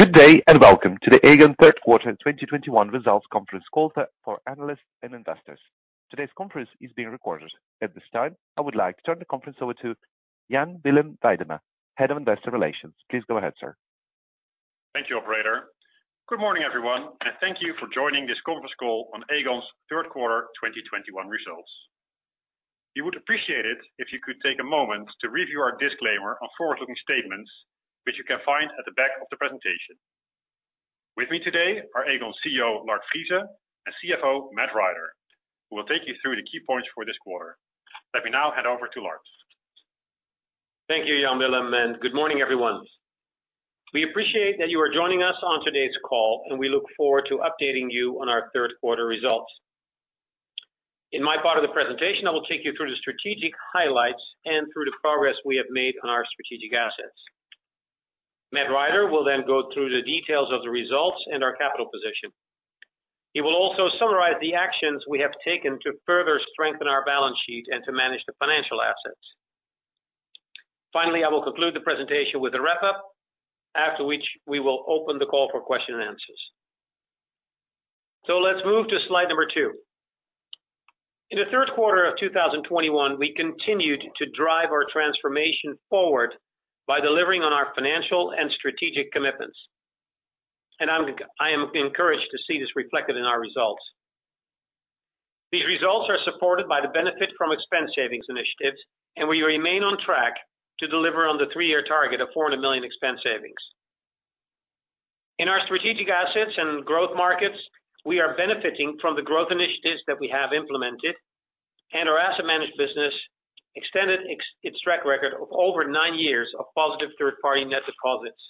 Good day and welcome to the Aegon Q3 2021 results conference call for analysts and investors. Today's conference is being recorded. At this time, I would like to turn the conference over to Jan Willem Weidema, Head of Investor Relations. Please go ahead, sir. Thank you, operator. Good morning, everyone, and thank you for joining this conference call on Aegon's Q3 2021 results. We would appreciate it if you could take a moment to review our disclaimer on forward-looking statements, which you can find at the back of the presentation. With me today are Aegon CEO, Lard Friese, and CFO, Matt Rider, who will take you through the key points for this quarter. Let me now hand over to Lard. Thank you, Jan Willem Weidema, and good morning, everyone. We appreciate that you are joining us on today's call, and we look forward to updating you on our Q3 results. In my part of the presentation, I will take you through the strategic highlights and through the progress we have made on our strategic assets. Matt Rider will then go through the details of the results and our capital position. He will also summarize the actions we have taken to further strengthen our balance sheet and to manage the financial assets. Finally, I will conclude the presentation with a wrap-up, after which we will open the call for question and answers. Let's move to slide number 2. In the Q3 of 2021, we continued to drive our transformation forward by delivering on our financial and strategic commitments. I am encouraged to see this reflected in our results. These results are supported by the benefit from expense savings initiatives, and we remain on track to deliver on the three-year target of 400 million expense savings. In our strategic assets and growth markets, we are benefiting from the growth initiatives that we have implemented, and our asset management business extended its track record of over 9 years of positive third-party net deposits.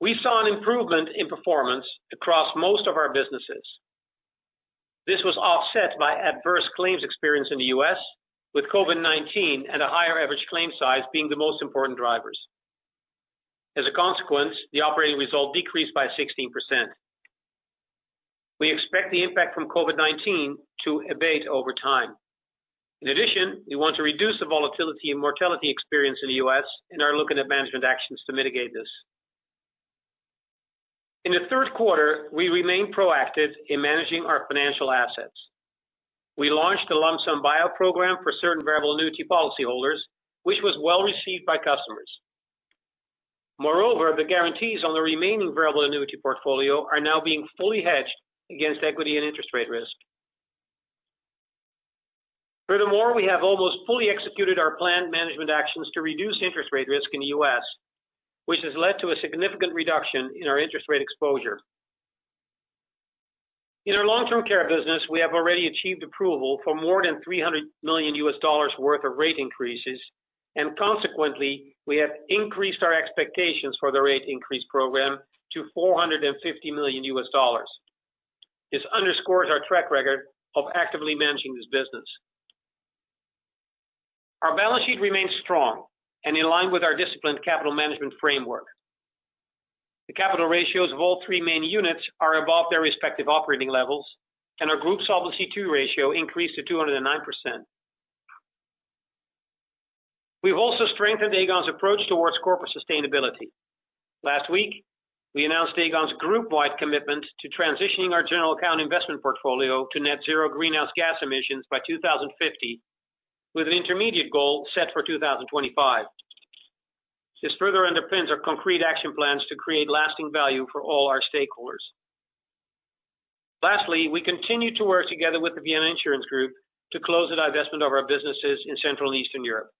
We saw an improvement in performance across most of our businesses. This was offset by adverse claims experience in the U.S., with COVID-19 and a higher average claim size being the most important drivers. As a consequence, the operating result decreased by 16%. We expect the impact from COVID-19 to abate over time. In addition, we want to reduce the volatility and mortality experience in the U.S. and are looking at management actions to mitigate this. In the Q3, we remained proactive in managing our financial assets. We launched a lump sum buy-out program for certain variable annuity policyholders, which was well-received by customers. Moreover, the guarantees on the remaining variable annuity portfolio are now being fully hedged against equity and interest rate risk. Furthermore, we have almost fully executed our planned management actions to reduce interest rate risk in the U.S., which has led to a significant reduction in our interest rate exposure. In our long-term care business, we have already achieved approval for more than $300 million worth of rate increases, and consequently, we have increased our expectations for the rate increase program to $450 million. This underscores our track record of actively managing this business. Our balance sheet remains strong and in line with our disciplined capital management framework. The capital ratios of all three main units are above their respective operating levels, and our group Solvency II ratio increased to 209%. We've also strengthened Aegon's approach towards corporate sustainability. Last week, we announced Aegon's group-wide commitment to transitioning our general account investment portfolio to net zero greenhouse gas emissions by 2050, with an intermediate goal set for 2025. This further underpins our concrete action plans to create lasting value for all our stakeholders. Lastly, we continue to work together with the Vienna Insurance Group to close the divestment of our businesses in Central and Eastern Europe.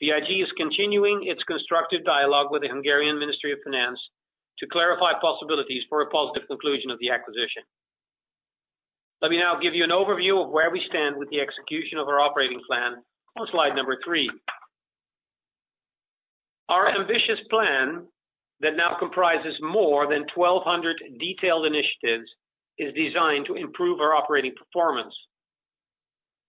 VIG is continuing its constructive dialogue with the Hungarian Ministry of Finance to clarify possibilities for a positive conclusion of the acquisition. Let me now give you an overview of where we stand with the execution of our operating plan on slide 3. Our ambitious plan that now comprises more than 1,200 detailed initiatives is designed to improve our operating performance.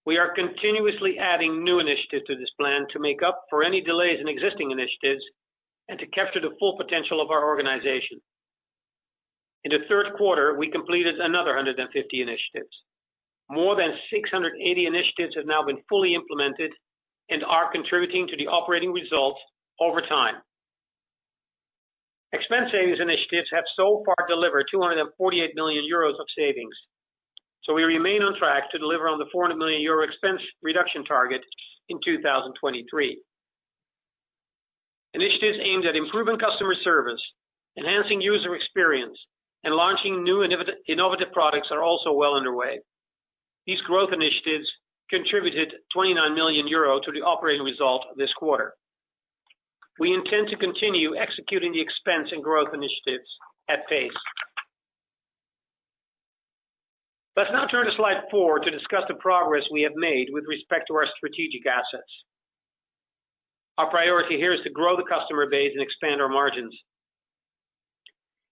We are continuously adding new initiatives to this plan to make up for any delays in existing initiatives and to capture the full potential of our organization. In the Q3, we completed another 150 initiatives. More than 680 initiatives have now been fully implemented and are contributing to the operating results over time. Expense savings initiatives have so far delivered 248 million euros of savings. We remain on track to deliver on the 400 million euro expense reduction target in 2023. Initiatives aimed at improving customer service, enhancing user experience, and launching new innovative products are also well underway. These growth initiatives contributed 29 million euro to the operating result this quarter. We intend to continue executing the expense and growth initiatives at pace. Let's now turn to slide 4 to discuss the progress we have made with respect to our strategic assets. Our priority here is to grow the customer base and expand our margins.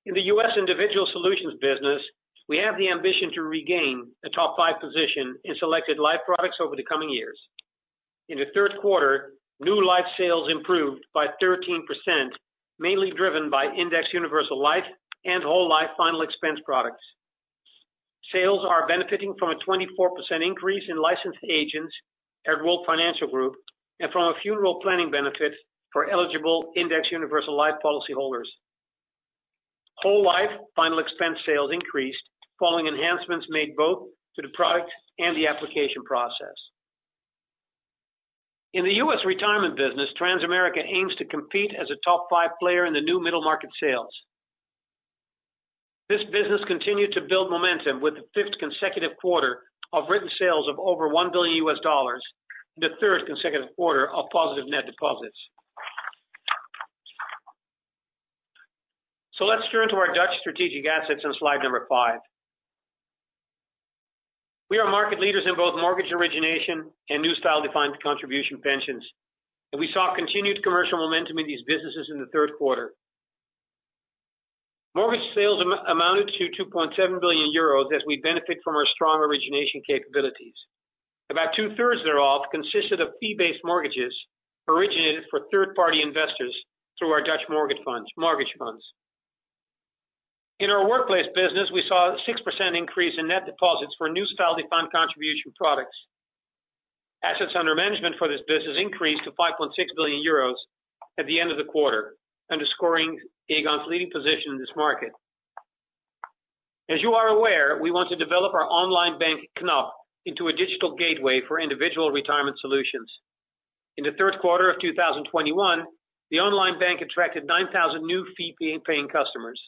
In the U.S. Individual Solutions business, we have the ambition to regain a top five position in selected life products over the coming years. In the Q3, new life sales improved by 13%, mainly driven by Indexed Universal Life and Whole Life final expense products. Sales are benefiting from a 24% increase in licensed agents at World Financial Group and from a funeral planning benefit for eligible Indexed Universal Life policyholders. Whole Life final expense sales increased following enhancements made both to the product and the application process. In the U.S. retirement business, Transamerica aims to compete as a top 5 player in the new middle market sales. This business continued to build momentum with the fifth consecutive quarter of written sales of over $1 billion, the third consecutive quarter of positive net deposits. Let's turn to our Dutch strategic assets on slide 5. We are market leaders in both mortgage origination and new style defined contribution pensions, and we saw continued commercial momentum in these businesses in the Q3. Mortgage sales amounted to 2.7 billion euros as we benefit from our strong origination capabilities. About two-thirds thereof consisted of fee-based mortgages originated for third-party investors through our Dutch mortgage funds. In our workplace business, we saw a 6% increase in net deposits for new style defined contribution products. Assets under management for this business increased to 5.6 billion euros at the end of the quarter, underscoring Aegon's leading position in this market. As you are aware, we want to develop our online bank, Knab, into a digital gateway for individual retirement solutions. In the Q3 of 2021, the online bank attracted 9,000 new fee-paying customers.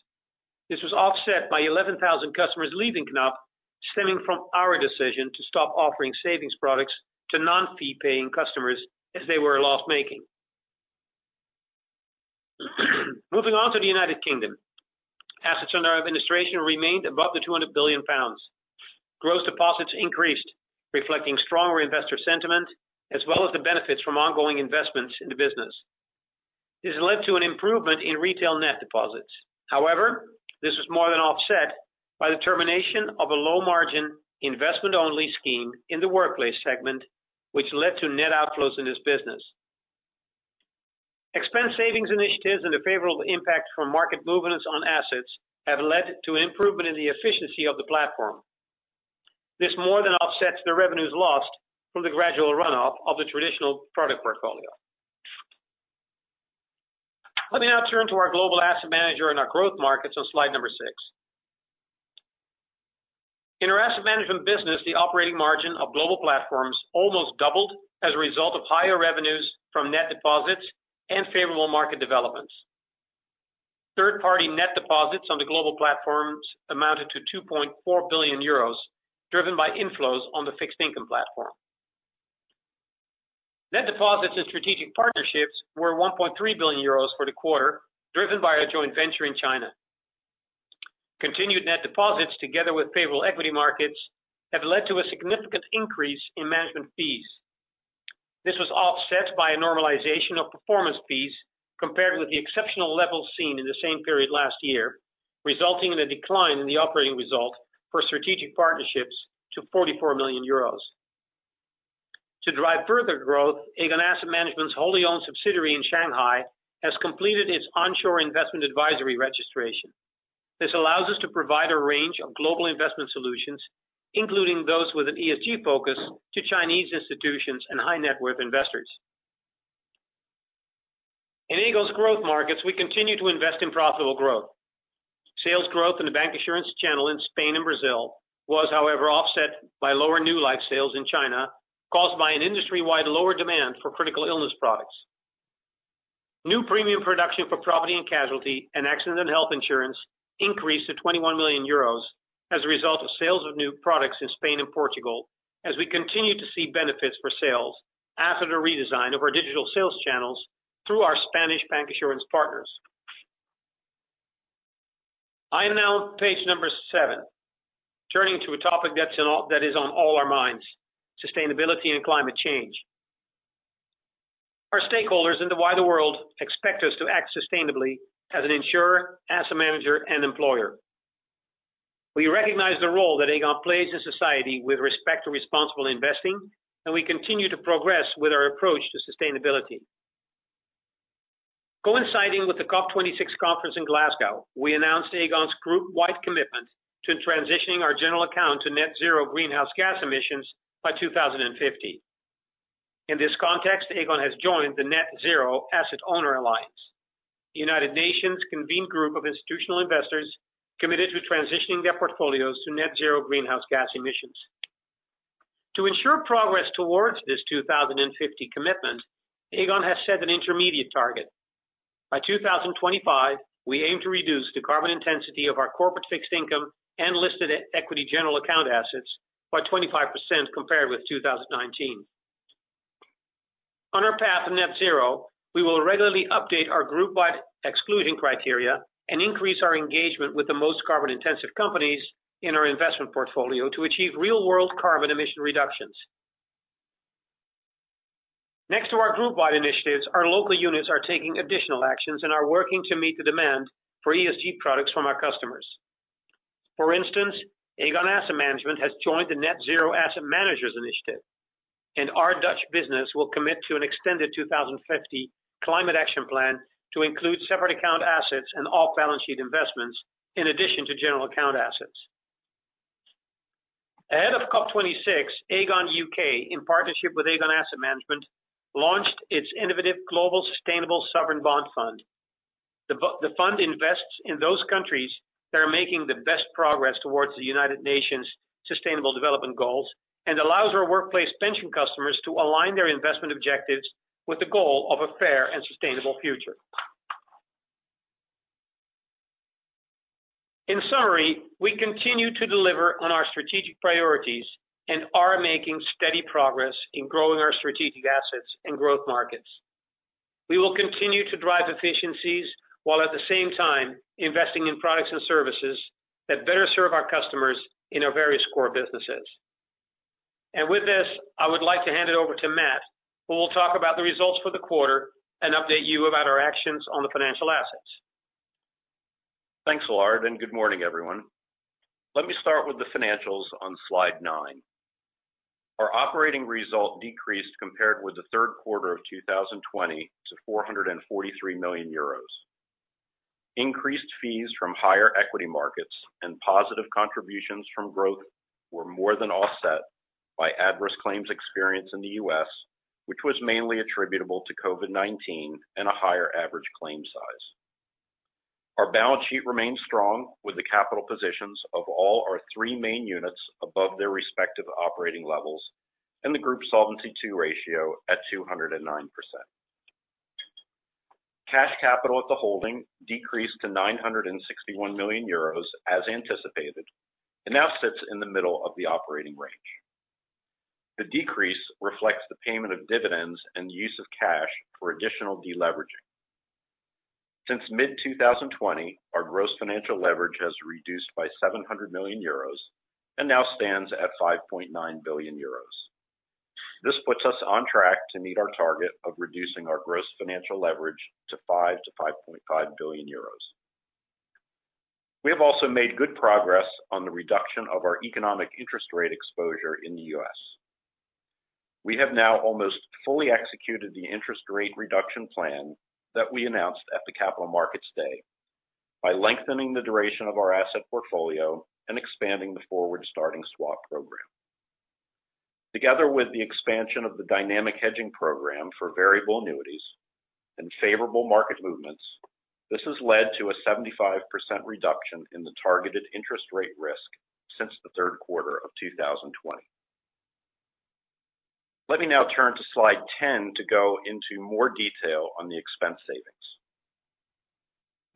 This was offset by 11,000 customers leaving Knab, stemming from our decision to stop offering savings products to non-fee-paying customers as they were loss-making. Moving on to the United Kingdom. Assets under administration remained above 200 billion pounds. Gross deposits increased, reflecting stronger investor sentiment as well as the benefits from ongoing investments in the business. This led to an improvement in retail net deposits. However, this was more than offset by the termination of a low-margin investment-only scheme in the workplace segment, which led to net outflows in this business. Expense savings initiatives and the favorable impact from market movements on assets have led to improvement in the efficiency of the platform. This more than offsets the revenues lost from the gradual runoff of the traditional product portfolio. Let me now turn to our global asset manager in our growth markets on slide 6. In our asset management business, the operating margin of global platforms almost doubled as a result of higher revenues from net deposits and favorable market developments. Third-party net deposits on the global platforms amounted to 2.4 billion euros, driven by inflows on the fixed income platform. Net deposits and strategic partnerships were 1.3 billion euros for the quarter, driven by our joint venture in China. Continued net deposits, together with favorable equity markets, have led to a significant increase in management fees. This was offset by a normalization of performance fees compared with the exceptional levels seen in the same period last year, resulting in a decline in the operating result for strategic partnerships to 44 million euros. To drive further growth, Aegon Asset Management's wholly owned subsidiary in Shanghai has completed its onshore investment advisory registration. This allows us to provide a range of global investment solutions, including those with an ESG focus to Chinese institutions and high-net-worth investors. In Aegon's growth markets, we continue to invest in profitable growth. Sales growth in the bank insurance channel in Spain and Brazil was, however, offset by lower new life sales in China, caused by an industry-wide lower demand for critical illness products. New premium production for property and casualty and accident health insurance increased to 21 million euros as a result of sales of new products in Spain and Portugal as we continue to see benefits for sales after the redesign of our digital sales channels through our Spanish bank insurance partners. I am now on page number 7. Turning to a topic that is on all our minds, sustainability and climate change. Our stakeholders in the wider world expect us to act sustainably as an insurer, asset manager and employer. We recognize the role that Aegon plays in society with respect to responsible investing, and we continue to progress with our approach to sustainability. Coinciding with the COP26 conference in Glasgow, we announced Aegon's group-wide commitment to transitioning our general account to net zero greenhouse gas emissions by 2050. In this context, Aegon has joined the Net-Zero Asset Owner Alliance, the United Nations convened group of institutional investors committed to transitioning their portfolios to net zero greenhouse gas emissions. To ensure progress towards this 2050 commitment, Aegon has set an intermediate target. By 2025, we aim to reduce the carbon intensity of our corporate fixed income and listed equity general account assets by 25% compared with 2019. On our path to net zero, we will regularly update our group-wide excluding criteria and increase our engagement with the most carbon-intensive companies in our investment portfolio to achieve real-world carbon emission reductions. Next to our group-wide initiatives, our local units are taking additional actions and are working to meet the demand for ESG products from our customers. For instance, Aegon Asset Management has joined the Net Zero Asset Managers Initiative. Our Dutch business will commit to an extended 2050 climate action plan to include separate account assets and off-balance sheet investments in addition to general account assets. Ahead of COP26, Aegon UK, in partnership with Aegon Asset Management, launched its innovative global sustainable sovereign bond fund. The fund invests in those countries that are making the best progress towards the United Nations Sustainable Development Goals and allows our workplace pension customers to align their investment objectives with the goal of a fair and sustainable future. In summary, we continue to deliver on our strategic priorities and are making steady progress in growing our strategic assets in growth markets. We will continue to drive efficiencies while at the same time investing in products and services that better serve our customers in our various core businesses. With this, I would like to hand it over to Matt, who will talk about the results for the quarter and update you about our actions on the financial assets. Thanks, Lard, and good morning, everyone. Let me start with the financials on slide 9. Our operating result decreased compared with the Q3 of 2020 to 443 million euros. Increased fees from higher equity markets and positive contributions from growth were more than offset by adverse claims experience in the U.S., which was mainly attributable to COVID-19 and a higher average claim size. Our balance sheet remains strong with the capital positions of all our three main units above their respective operating levels and the group Solvency II ratio at 209%. Cash capital at the holding decreased to 961 million euros as anticipated and now sits in the middle of the operating range. The decrease reflects the payment of dividends and the use of cash for additional deleveraging. Since mid-2020, our gross financial leverage has reduced by 700 million euros and now stands at 5.9 billion euros. This puts us on track to meet our target of reducing our gross financial leverage to 5 to 5.5 billion. We have also made good progress on the reduction of our economic interest rate exposure in the U.S. We have now almost fully executed the interest rate reduction plan that we announced at the Capital Markets Day by lengthening the duration of our asset portfolio and expanding the forward-starting swap program. Together with the expansion of the dynamic hedging program for variable annuities and favorable market movements, this has led to a 75% reduction in the targeted interest rate risk since the Q3 of 2020. Let me now turn to slide 10 to go into more detail on the expense savings.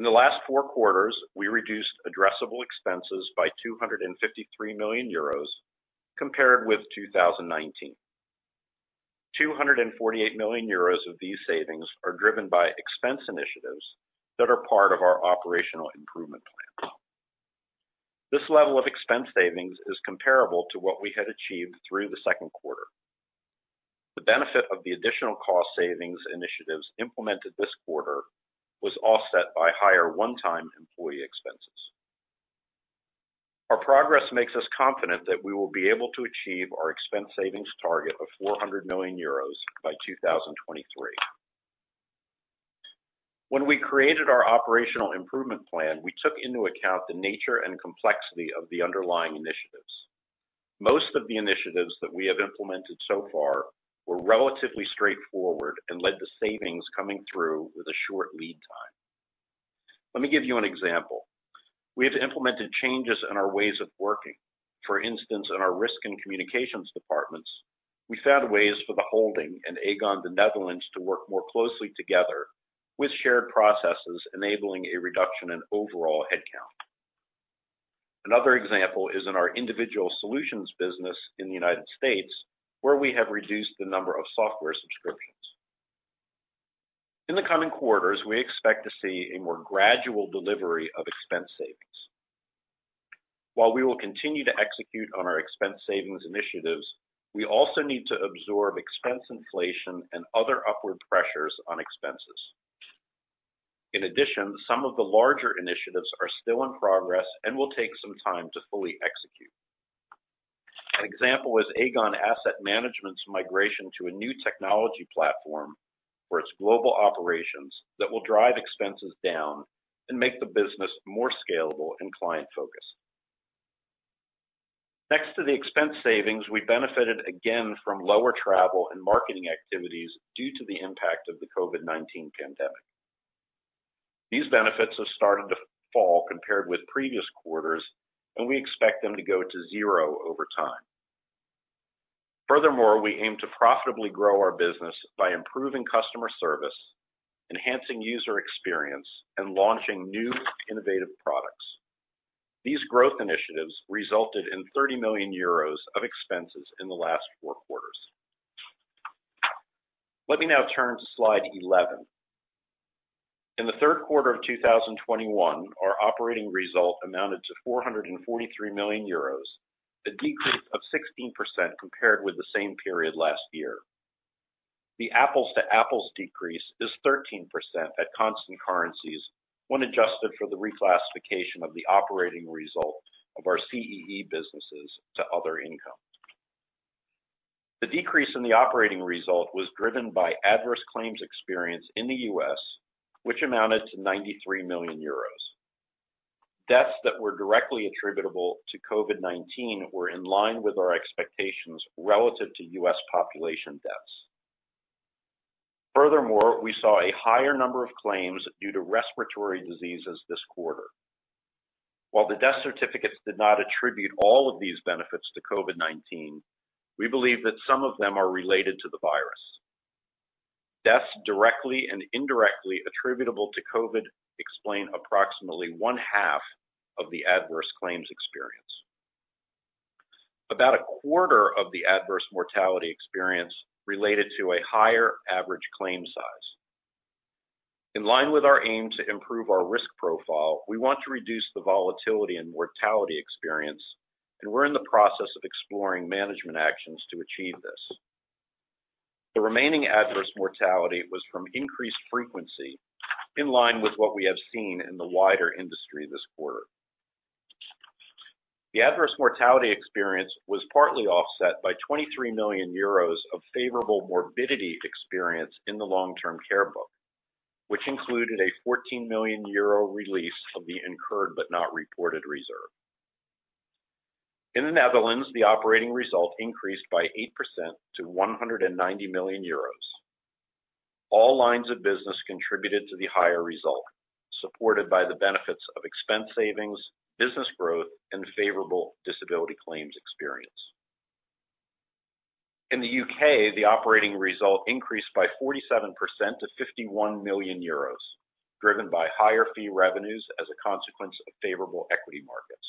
In the last four quarters, we reduced addressable expenses by 253 million euros compared with 2019. 248 million euros of these savings are driven by expense initiatives that are part of our operational improvement plan. This level of expense savings is comparable to what we had achieved through the Q2. The benefit of the additional cost savings initiatives implemented this quarter was offset by higher one-time employee expenses. Our progress makes us confident that we will be able to achieve our expense savings target of 400 million euros by 2023. When we created our operational improvement plan, we took into account the nature and complexity of the underlying initiatives. Most of the initiatives that we have implemented so far were relatively straightforward and led to savings coming through with a short lead time. Let me give you an example. We have implemented changes in our ways of working. For instance, in our risk and communications departments, we found ways for the holding in Aegon, the Netherlands, to work more closely together with shared processes, enabling a reduction in overall headcount. Another example is in our Individual Solutions business in the United States, where we have reduced the number of software subscriptions. In the coming quarters, we expect to see a more gradual delivery of expense savings. While we will continue to execute on our expense savings initiatives, we also need to absorb expense inflation and other upward pressures on expenses. In addition, some of the larger initiatives are still in progress and will take some time to fully execute. An example is Aegon Asset Management's migration to a new technology platform for its global operations that will drive expenses down and make the business more scalable and client focused. Thanks to the expense savings, we benefited again from lower travel and marketing activities due to the impact of the COVID-19 pandemic. These benefits have started to fall compared with previous quarters, and we expect them to go to zero over time. Furthermore, we aim to profitably grow our business by improving customer service, enhancing user experience, and launching new innovative products. These growth initiatives resulted in 30 million euros of expenses in the last four quarters. Let me now turn to slide 11. In the Q3 of 2021, our operating result amounted to 443 million euros, a decrease of 16% compared with the same period last year. The apples-to-apples decrease is 13% at constant currencies when adjusted for the reclassification of the operating result of our CEE businesses to other income. The decrease in the operating result was driven by adverse claims experience in the U.S., which amounted to 93 million euros. Deaths that were directly attributable to COVID-19 were in line with our expectations relative to U.S. population deaths. Furthermore, we saw a higher number of claims due to respiratory diseases this quarter. While the death certificates did not attribute all of these deaths to COVID-19, we believe that some of them are related to the virus. Deaths directly and indirectly attributable to COVID explain approximately one-half of the adverse claims experience. About a quarter of the adverse mortality experience related to a higher average claim size. In line with our aim to improve our risk profile, we want to reduce the volatility and mortality experience, and we're in the process of exploring management actions to achieve this. The remaining adverse mortality was from increased frequency in line with what we have seen in the wider industry this quarter. The adverse mortality experience was partly offset by 23 million euros of favorable morbidity experience in the long-term care book, which included a 14 million euro release of the incurred but not reported reserve. In the Netherlands, the operating result increased by 8% to 190 million euros. All lines of business contributed to the higher result, supported by the benefits of expense savings, business growth, and favorable disability claims experience. In the U.K., the operating result increased by 47% to 51 million euros, driven by higher fee revenues as a consequence of favorable equity markets.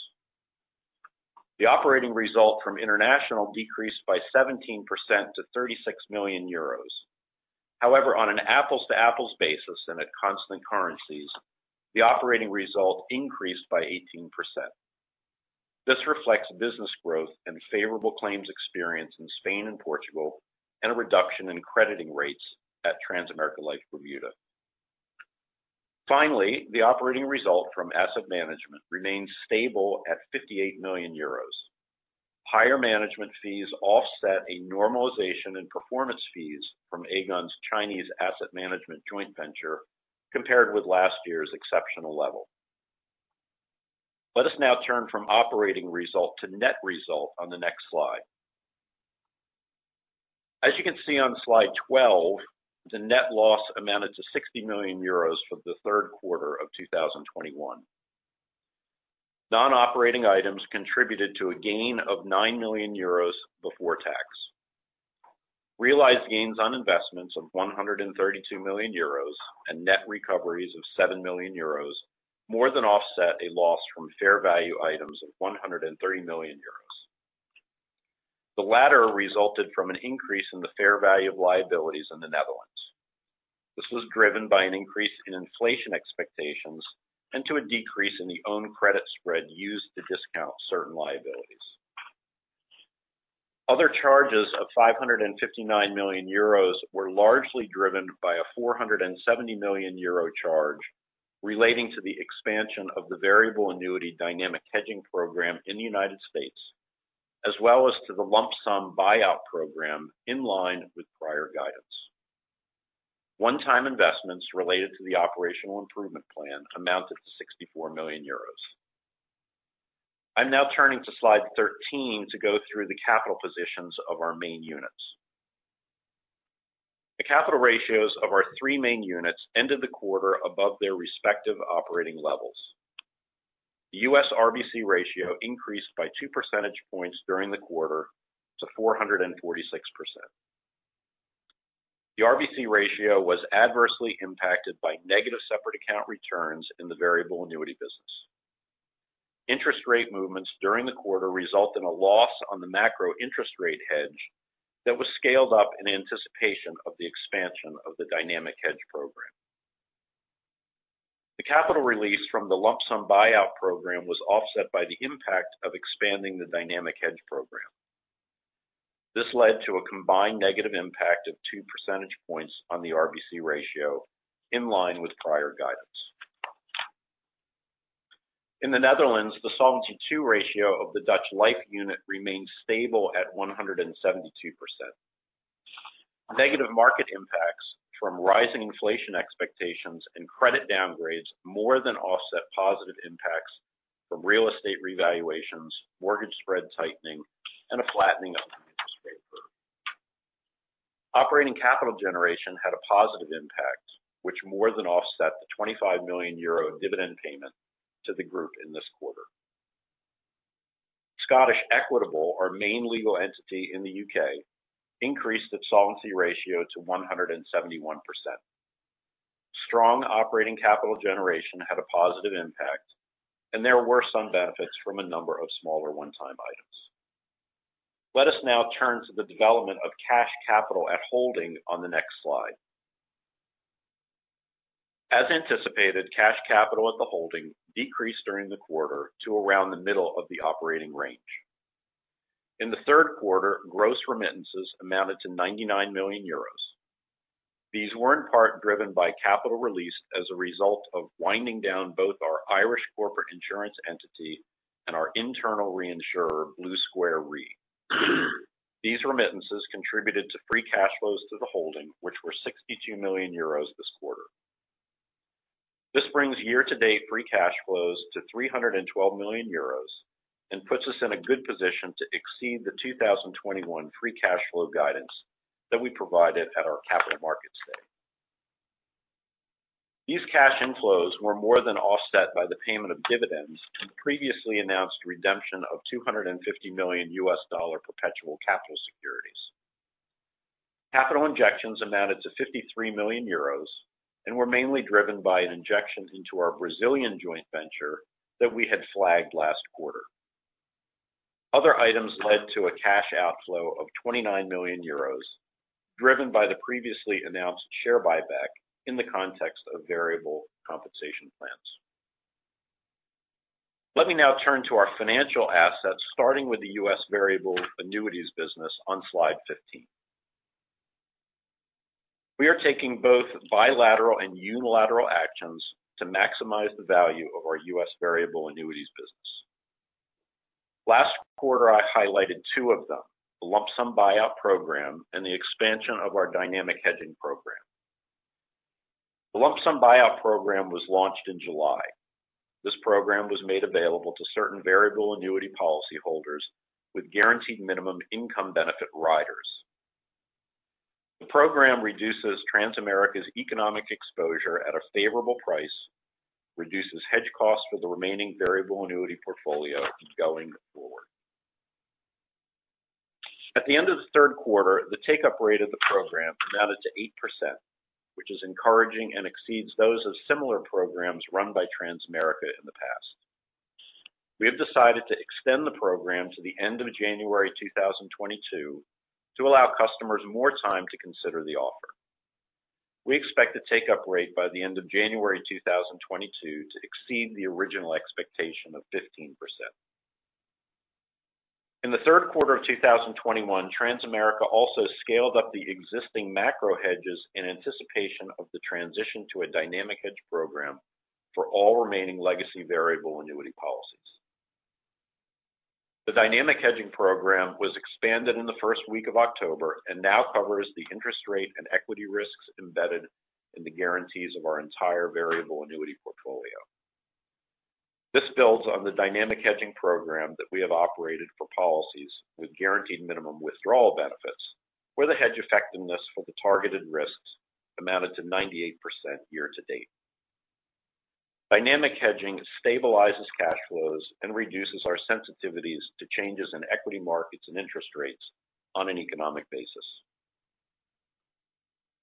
The operating result from international decreased by 17% to 36 million euros. However, on an apples-to-apples basis and at constant currencies, the operating result increased by 18%. This reflects business growth and favorable claims experience in Spain and Portugal, and a reduction in crediting rates at Transamerica Life Bermuda. Finally, the operating result from asset management remained stable at 58 million euros. Higher management fees offset a normalization in performance fees from Aegon's Chinese asset management joint venture compared with last year's exceptional level. Let us now turn from operating result to net result on the next slide. As you can see on slide 12, the net loss amounted to 60 million euros for the Q3 of 2021. Non-operating items contributed to a gain of 9 million euros before tax. Realized gains on investments of 132 million euros and net recoveries of 7 million euros more than offset a loss from fair value items of 130 million euros. The latter resulted from an increase in the fair value of liabilities in the Netherlands. This was driven by an increase in inflation expectations and to a decrease in the own credit spread used to discount certain liabilities. Other charges of 559 million euros were largely driven by a 470 million euro charge relating to the expansion of the variable annuity dynamic hedging program in the U.S., as well as to the lump sum buyout program in line with prior guidance. One-time investments related to the operational improvement plan amounted to 64 million euros. I'm now turning to slide 13 to go through the capital positions of our main units. The capital ratios of our three main units ended the quarter above their respective operating levels. The U.S. RBC ratio increased by two percentage points during the quarter to 446%. The RBC ratio was adversely impacted by negative separate account returns in the variable annuity business. Interest rate movements during the quarter result in a loss on the macro interest rate hedge that was scaled up in anticipation of the expansion of the dynamic hedge program. The capital release from the lump sum buyout program was offset by the impact of expanding the dynamic hedge program. This led to a combined negative impact of two percentage points on the RBC ratio in line with prior guidance. In the Netherlands, the Solvency II ratio of the Dutch Life unit remained stable at 172%. Negative market impacts from rising inflation expectations and credit downgrades more than offset positive impacts from real estate revaluations, mortgage spread tightening, and a flattening out in interest rate curve. Operating capital generation had a positive impact, which more than offset the 25 million euro dividend payment to the group in this quarter. Scottish Equitable, our main legal entity in the U.K., increased its solvency ratio to 171%. Strong operating capital generation had a positive impact, and there were some benefits from a number of smaller one-time items. Let us now turn to the development of cash capital at holding on the next slide. As anticipated, cash capital at the holding decreased during the quarter to around the middle of the operating range. In the Q3, gross remittances amounted to 99 million euros. These were in part driven by capital release as a result of winding down both our Irish corporate insurance entity and our internal reinsurer, Blue Square Re. These remittances contributed to free cash flows to the holding, which were 62 million euros this quarter. This brings year-to-date free cash flows to 312 million euros and puts us in a good position to exceed the 2021 free cash flow guidance that we provided at our Capital Markets Day. These cash inflows were more than offset by the payment of dividends and previously announced redemption of $250 million US dollar perpetual capital securities. Capital injections amounted to 53 million euros and were mainly driven by an injection into our Brazilian joint venture that we had flagged last quarter. Other items led to a cash outflow of 29 million euros, driven by the previously announced share buyback in the context of variable compensation plans. Let me now turn to our financial assets, starting with the U.S. variable annuities business on slide 15. We are taking both bilateral and unilateral actions to maximize the value of our U.S. variable annuities business. Last quarter, I highlighted 2 of them, the lump sum buyout program and the expansion of our dynamic hedging program. The lump sum buyout program was launched in July. This program was made available to certain variable annuity policyholders with guaranteed minimum income benefit riders. The program reduces Transamerica's economic exposure at a favorable price, reduces hedge costs for the remaining variable annuity portfolio going forward. At the end of the Q3, the take-up rate of the program amounted to 8%, which is encouraging and exceeds those of similar programs run by Transamerica in the past. We have decided to extend the program to the end of January 2022 to allow customers more time to consider the offer. We expect the take-up rate by the end of January 2022 to exceed the original expectation of 15%. In the Q3 of 2021, Transamerica also scaled up the existing macro hedges in anticipation of the transition to a dynamic hedge program for all remaining legacy variable annuity policies. The dynamic hedging program was expanded in the first week of October and now covers the interest rate and equity risks embedded in the guarantees of our entire variable annuity portfolio. This builds on the dynamic hedging program that we have operated for policies with guaranteed minimum withdrawal benefits, where the hedge effectiveness for the targeted risks amounted to 98% year-to-date. Dynamic hedging stabilizes cash flows and reduces our sensitivities to changes in equity markets and interest rates on an economic basis.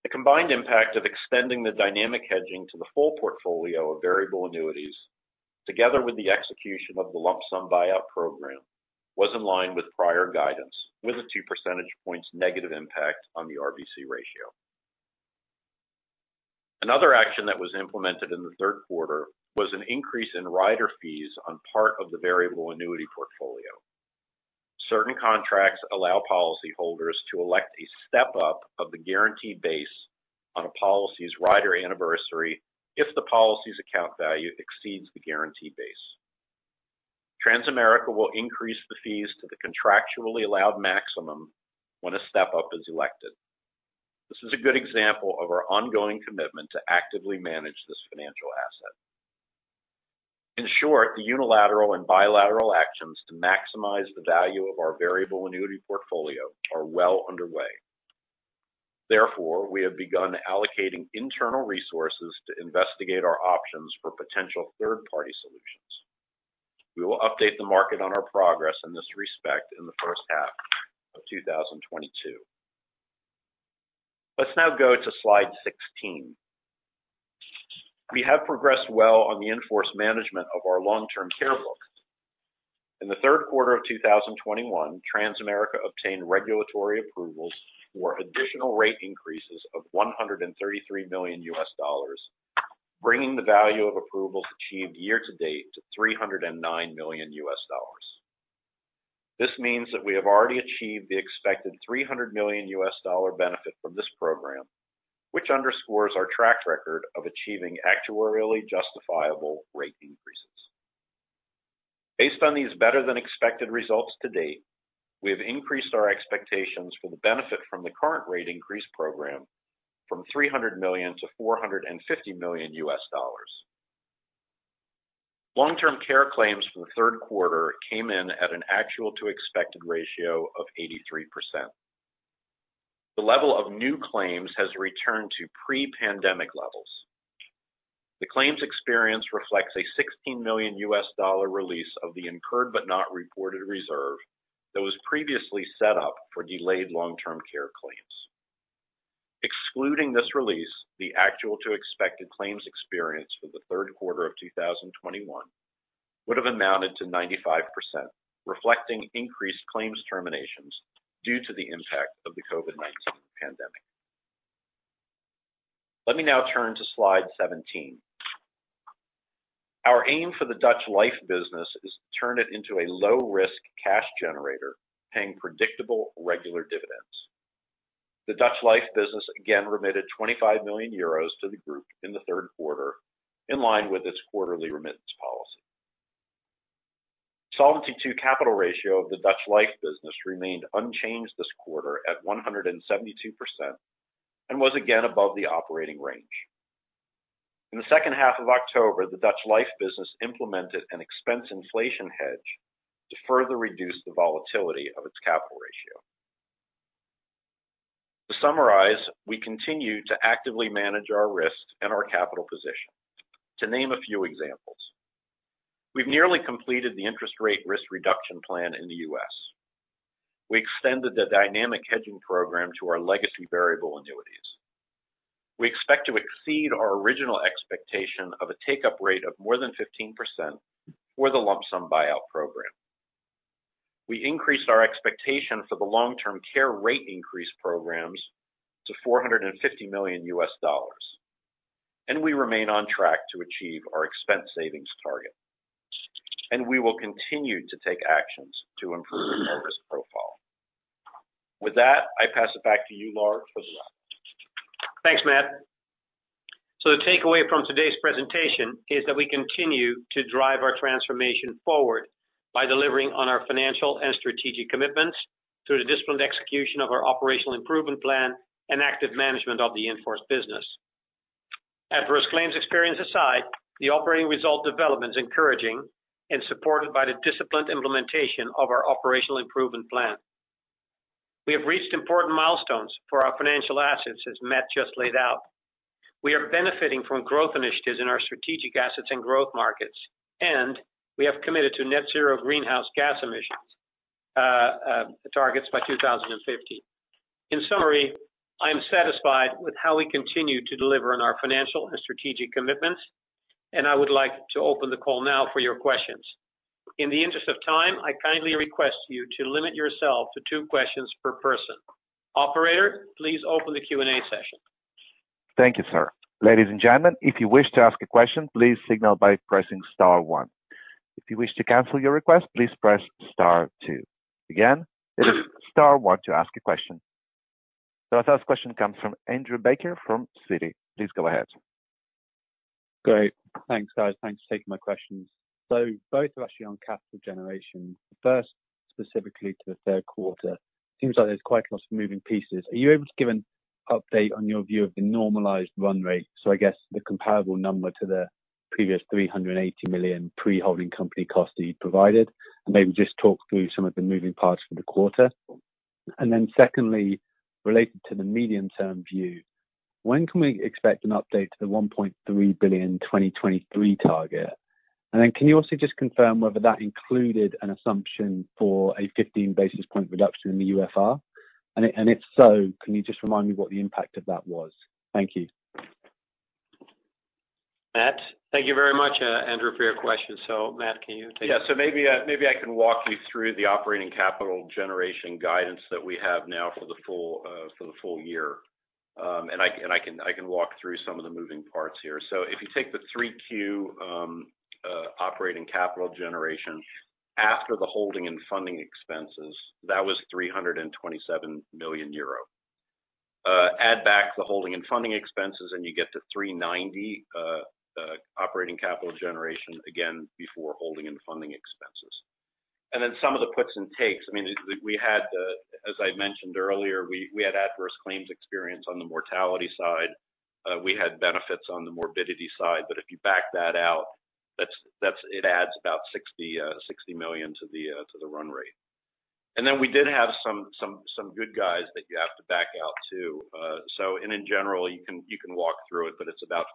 The combined impact of extending the dynamic hedging to the full portfolio of variable annuities, together with the execution of the lump sum buyout program, was in line with prior guidance, with a two percentage points negative impact on the RBC ratio. Another action that was implemented in the Q3 was an increase in rider fees on part of the variable annuity portfolio. Certain contracts allow policyholders to elect a step-up of the guaranteed base on a policy's rider anniversary if the policy's account value exceeds the guaranteed base. Transamerica will increase the fees to the contractually allowed maximum when a step-up is elected. This is a good example of our ongoing commitment to actively manage this financial asset. In short, the unilateral and bilateral actions to maximize the value of our variable annuities portfolio are well underway. Therefore, we have begun allocating internal resources to investigate our options for potential third-party solutions. We will update the market on our progress in this respect in the H1 of 2022. Let's now go to slide 16. We have progressed well on the in-force management of our long-term care books. In the Q3 of 2021, Transamerica obtained regulatory approvals for additional rate increases of $133 million, bringing the value of approvals achieved year-to-date to $309 million. This means that we have already achieved the expected $300 million benefit from this program, which underscores our track record of achieving actuarially justifiable rate increases. Based on these better-than-expected results to date, we have increased our expectations for the benefit from the current rate increase program from $300 to 450 million. Long-term care claims for the Q3 came in at an actual to expected ratio of 83%. The level of new claims has returned to pre-pandemic levels. The claims experience reflects a $16 million release of the incurred but not reported reserve that was previously set up for delayed long-term care claims. Excluding this release, the actual to expected claims experience for the Q3 of 2021 would have amounted to 95%, reflecting increased claims terminations due to the impact of the COVID-19 pandemic. Let me now turn to slide 17. Our aim for the Dutch Life business is to turn it into a low-risk cash generator, paying predictable regular dividends. The Dutch Life business again remitted 25 million euros to the group in the Q3, in line with its quarterly remittance policy. Solvency II capital ratio of the Dutch Life business remained unchanged this quarter at 172% and was again above the operating range. In the second half of October, the Dutch Life business implemented an expense inflation hedge to further reduce the volatility of its capital ratio. To summarize, we continue to actively manage our risks and our capital position. To name a few examples, we've nearly completed the interest rate risk reduction plan in the U.S. We extended the dynamic hedging program to our legacy variable annuities. We expect to exceed our original expectation of a take-up rate of more than 15% for the lump sum buyout program. We increased our expectation for the long-term care rate increase programs to $450 million, and we remain on track to achieve our expense savings target. We will continue to take actions to improve our risk profile. With that, I pass it back to you, Lard, for the rest. Thanks, Matt. The takeaway from today's presentation is that we continue to drive our transformation forward by delivering on our financial and strategic commitments through the disciplined execution of our operational improvement plan and active management of the in-force business. Adverse claims experience aside, the operating result development is encouraging and supported by the disciplined implementation of our operational improvement plan. We have reached important milestones for our financial assets, as Matt just laid out. We are benefiting from growth initiatives in our strategic assets and growth markets, and we have committed to net zero greenhouse gas emissions targets by 2050. In summary, I am satisfied with how we continue to deliver on our financial and strategic commitments, and I would like to open the call now for your questions. In the interest of time, I kindly request you to limit yourself to two questions per person. Operator, please open the Q&A session. Thank you, sir. Ladies and gentlemen, if you wish to ask a question, please signal by pressing star one. If you wish to cancel your request, please press star two. Again, it is star one to ask a question. The first question comes from Andrew Baker from Citi. Please go ahead. Great. Thanks, guys. Thanks for taking my questions. Both are actually on capital generation. First, specifically to the Q3, it seems like there's quite a lot of moving pieces. Are you able to give an update on your view of the normalized run rate? I guess the comparable number to the previous 380 million pre-holding company costs that you provided, and maybe just talk through some of the moving parts for the quarter. Secondly, related to the medium-term view, when can we expect an update to the 1.3 billion 2023 target? Can you also just confirm whether that included an assumption for a 15 basis point reduction in the UFR? If so, can you just remind me what the impact of that was? Thank you. Matt? Thank you very much, Andrew, for your question. Matt, can you take it? Maybe I can walk you through the operating capital generation guidance that we have now for the full year. I can walk through some of the moving parts here. If you take the 3Q operating capital generation after the holding and funding expenses, that was 327 million euro. Add back the holding and funding expenses, and you get to 390 operating capital generation again before holding and funding expenses. Some of the puts and takes, I mean, we had, as I mentioned earlier, adverse claims experience on the mortality side. We had benefits on the morbidity side. If you back that out, that adds about 60 million to the run rate. We did have some good guys that you have to back out too. In general, you can walk through it, but it's about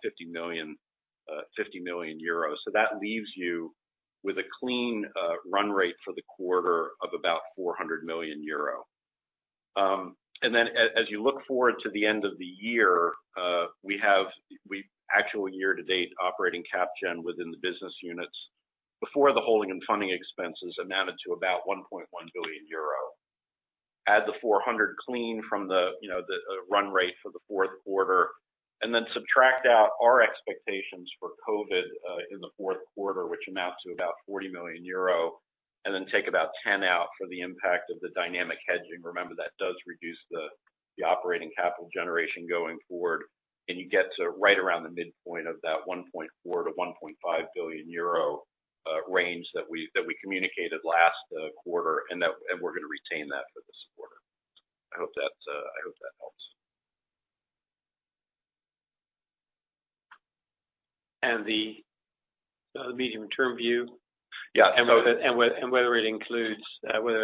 50 million euros. That leaves you with a clean run rate for the quarter of about 400 million euro. As you look forward to the end of the year, we actually year-to-date operating capital generation within the business units before the holding and funding expenses amounted to about 1.1 billion euro. Add the 400 clean from the, you know, the run rate for the Q4, and then subtract out our expectations for COVID in the Q4, which amounts to about 40 million euro, and then take about 10 million out for the impact of the dynamic hedging. Remember, that does reduce the operating capital generation going forward, and you get to right around the midpoint of that 1.4 to 1.5 billion range that we communicated last quarter, and we're going to retain that for this quarter. I hope that helps. The medium-term view? Yeah. whether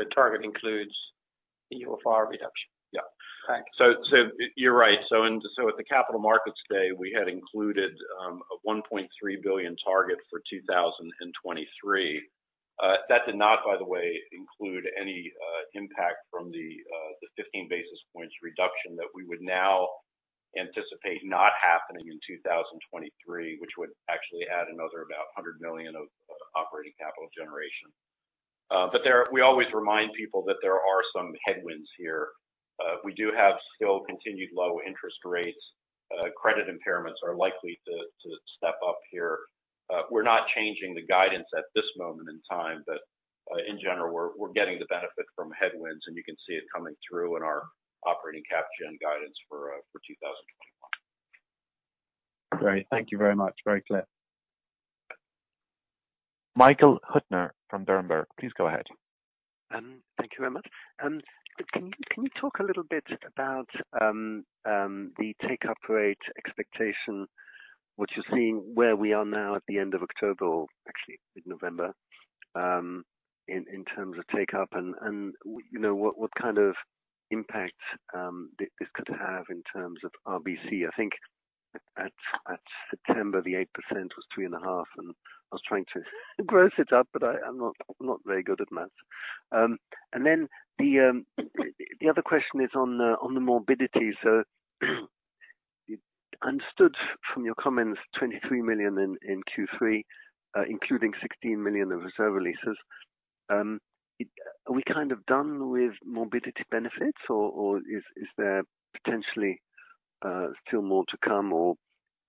the target includes the UFR reduction? Yeah. Thanks. You're right. At the Capital Markets Day, we had included a 1.3 billion target for 2023. That did not, by the way, include any impact from the 15 basis points reduction that we would now anticipate not happening in 2023, which would actually add another about 100 million of operating capital generation. We always remind people that there are some headwinds here. We do have still continued low interest rates. Credit impairments are likely to step up here. We're not changing the guidance at this moment in time, but in general, we're getting the benefit from headwinds, and you can see it coming through in our operating cap gen guidance for 2021. Great. Thank you very much. Very clear. Michael Huttner from Berenberg, please go ahead. Thank you very much. Can you talk a little bit about the take-up rate expectation, what you're seeing where we are now at the end of October, or actually mid-November, in terms of take-up and, you know, what kind of impact this could have in terms of RBC? I think at September, the 8% was 3.5, and I was trying to gross it up, but I'm not very good at math. The other question is on the morbidity. Understood from your comments, $23 million in Q3, including $16 million of reserve releases. Are we kind of done with morbidity benefits or is there potentially still more to come?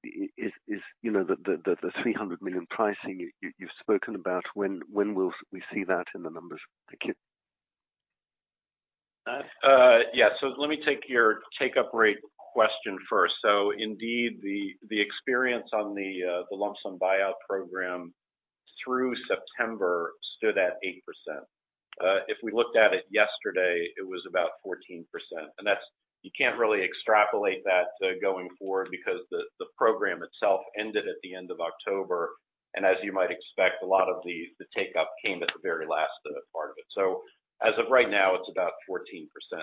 Is it, you know, the $300 million pricing you've spoken about, when will we see that in the numbers? Thank you. Let me take your take-up rate question first. Indeed, the experience on the lump sum buyout program through September stood at 8%. If we looked at it yesterday, it was about 14%. That's. You can't really extrapolate that going forward because the program itself ended at the end of October. As you might expect, a lot of the take-up came at the very last part of it. As of right now, it's about 14%.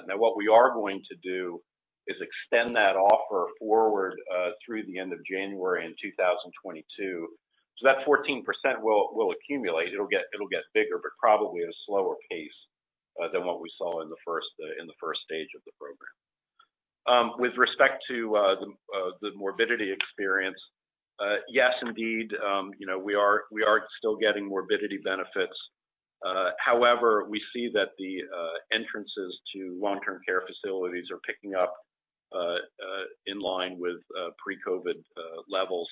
Now, what we are going to do is extend that offer forward through the end of January 2022. That 14% will accumulate. It'll get bigger, but probably at a slower pace than what we saw in the first stage of the program. With respect to the morbidity experience, yes, indeed, you know, we are still getting morbidity benefits. However, we see that the entrances to long-term care facilities are picking up in line with pre-COVID levels.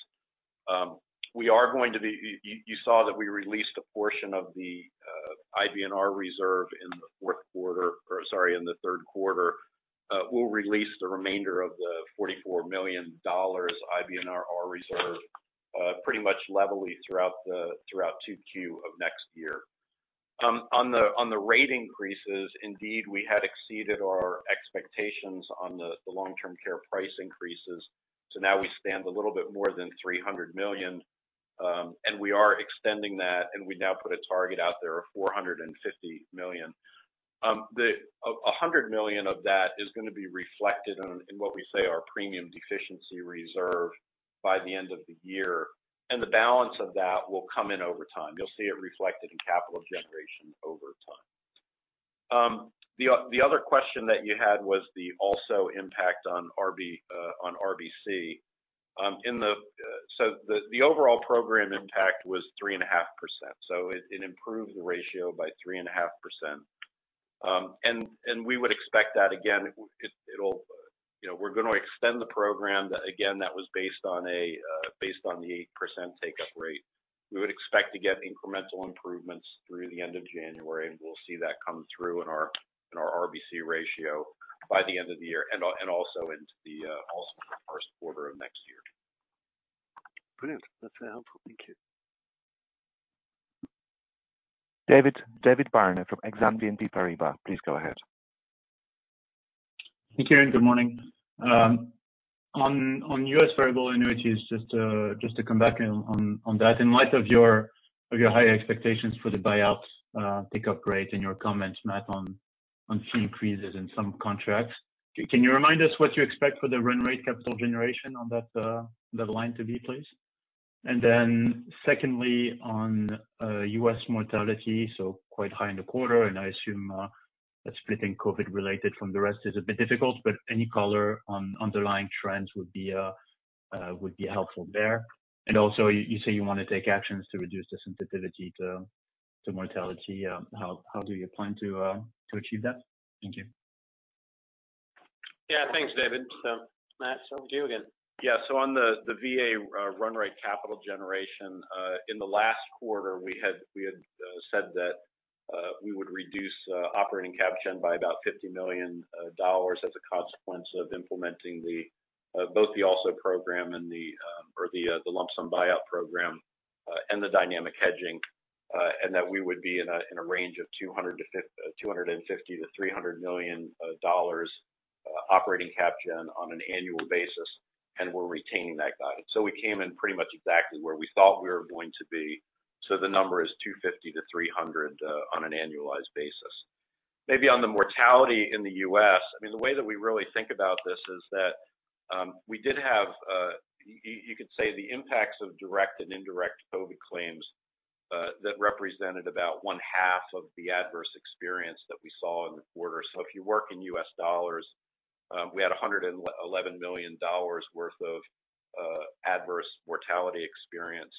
You saw that we released a portion of the IBNR reserve in the Q4, or sorry, in the Q3. We'll release the remainder of the $44 million IBNR reserve pretty much levelly throughout 2Q of next year. On the rate increases, indeed, we had exceeded our expectations on the long-term care price increases. Now we stand a little bit more than $300 million, and we are extending that, and we now put a target out there of $450 million. $100 million of that is going to be reflected in what we say our premium deficiency reserve by the end of the year, and the balance of that will come in over time. You'll see it reflected in capital generation over time. The other question that you had was the ALSO impact on RBC. In the overall program impact was 3.5%. It improved the ratio by 3.5%. We would expect that again. It'll, you know, we're going to extend the program that was based on the 8% take-up rate. We would expect to get incremental improvements through the end of January, and we'll see that come through in our RBC ratio by the end of the year and also into the Q1 of next year. Brilliant. That's helpful. Thank you. David Barma from Exane BNP Paribas. Please go ahead. Thank you, and good morning. On U.S. variable annuities, just to come back on that. In light of your high expectations for the buyout take-up rate and your comments, Matt, on fee increases in some contracts, can you remind us what you expect for the run rate capital generation on that line to be, please? Then secondly, on U.S. mortality, so quite high in the quarter, and I assume that splitting COVID-related from the rest is a bit difficult, but any color on underlying trends would be helpful there. Also, you say you want to take actions to reduce the sensitivity to mortality. How do you plan to achieve that? Thank you. Yeah. Thanks, David. Matt, over to you again. On the VA run rate capital generation in the last quarter, we had said that we would reduce operating cap gen by about $50 million as a consequence of implementing both the ALSO program and the lump sum buyout program and the dynamic hedging and that we would be in a range of $250 to 300 million operating cap gen on an annual basis, and we're retaining that guidance. We came in pretty much exactly where we thought we were going to be. The number is $250 to 300 million on an annualized basis. Maybe on the mortality in the U.S., I mean, the way that we really think about this is that, we did have, you could say the impacts of direct and indirect COVID claims. That represented about one half of the adverse experience that we saw in the quarter. If you work in U.S. dollars, we had $111 million worth of adverse mortality experience.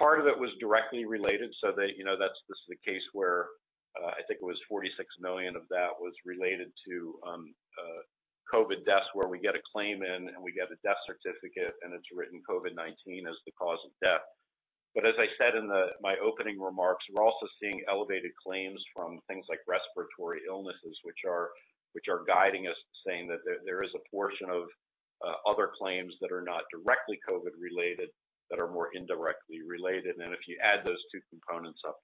Part of it was directly related so that, you know, that's, this is a case where, I think it was $46 million of that was related to COVID deaths where we get a claim in and we get a death certificate, and it's written COVID-19 as the cause of death. But as I said in my opening remarks, we're also seeing elevated claims from things like respiratory illnesses, which are guiding us saying that there is a portion of other claims that are not directly COVID-related, that are more indirectly related. If you add those two components up,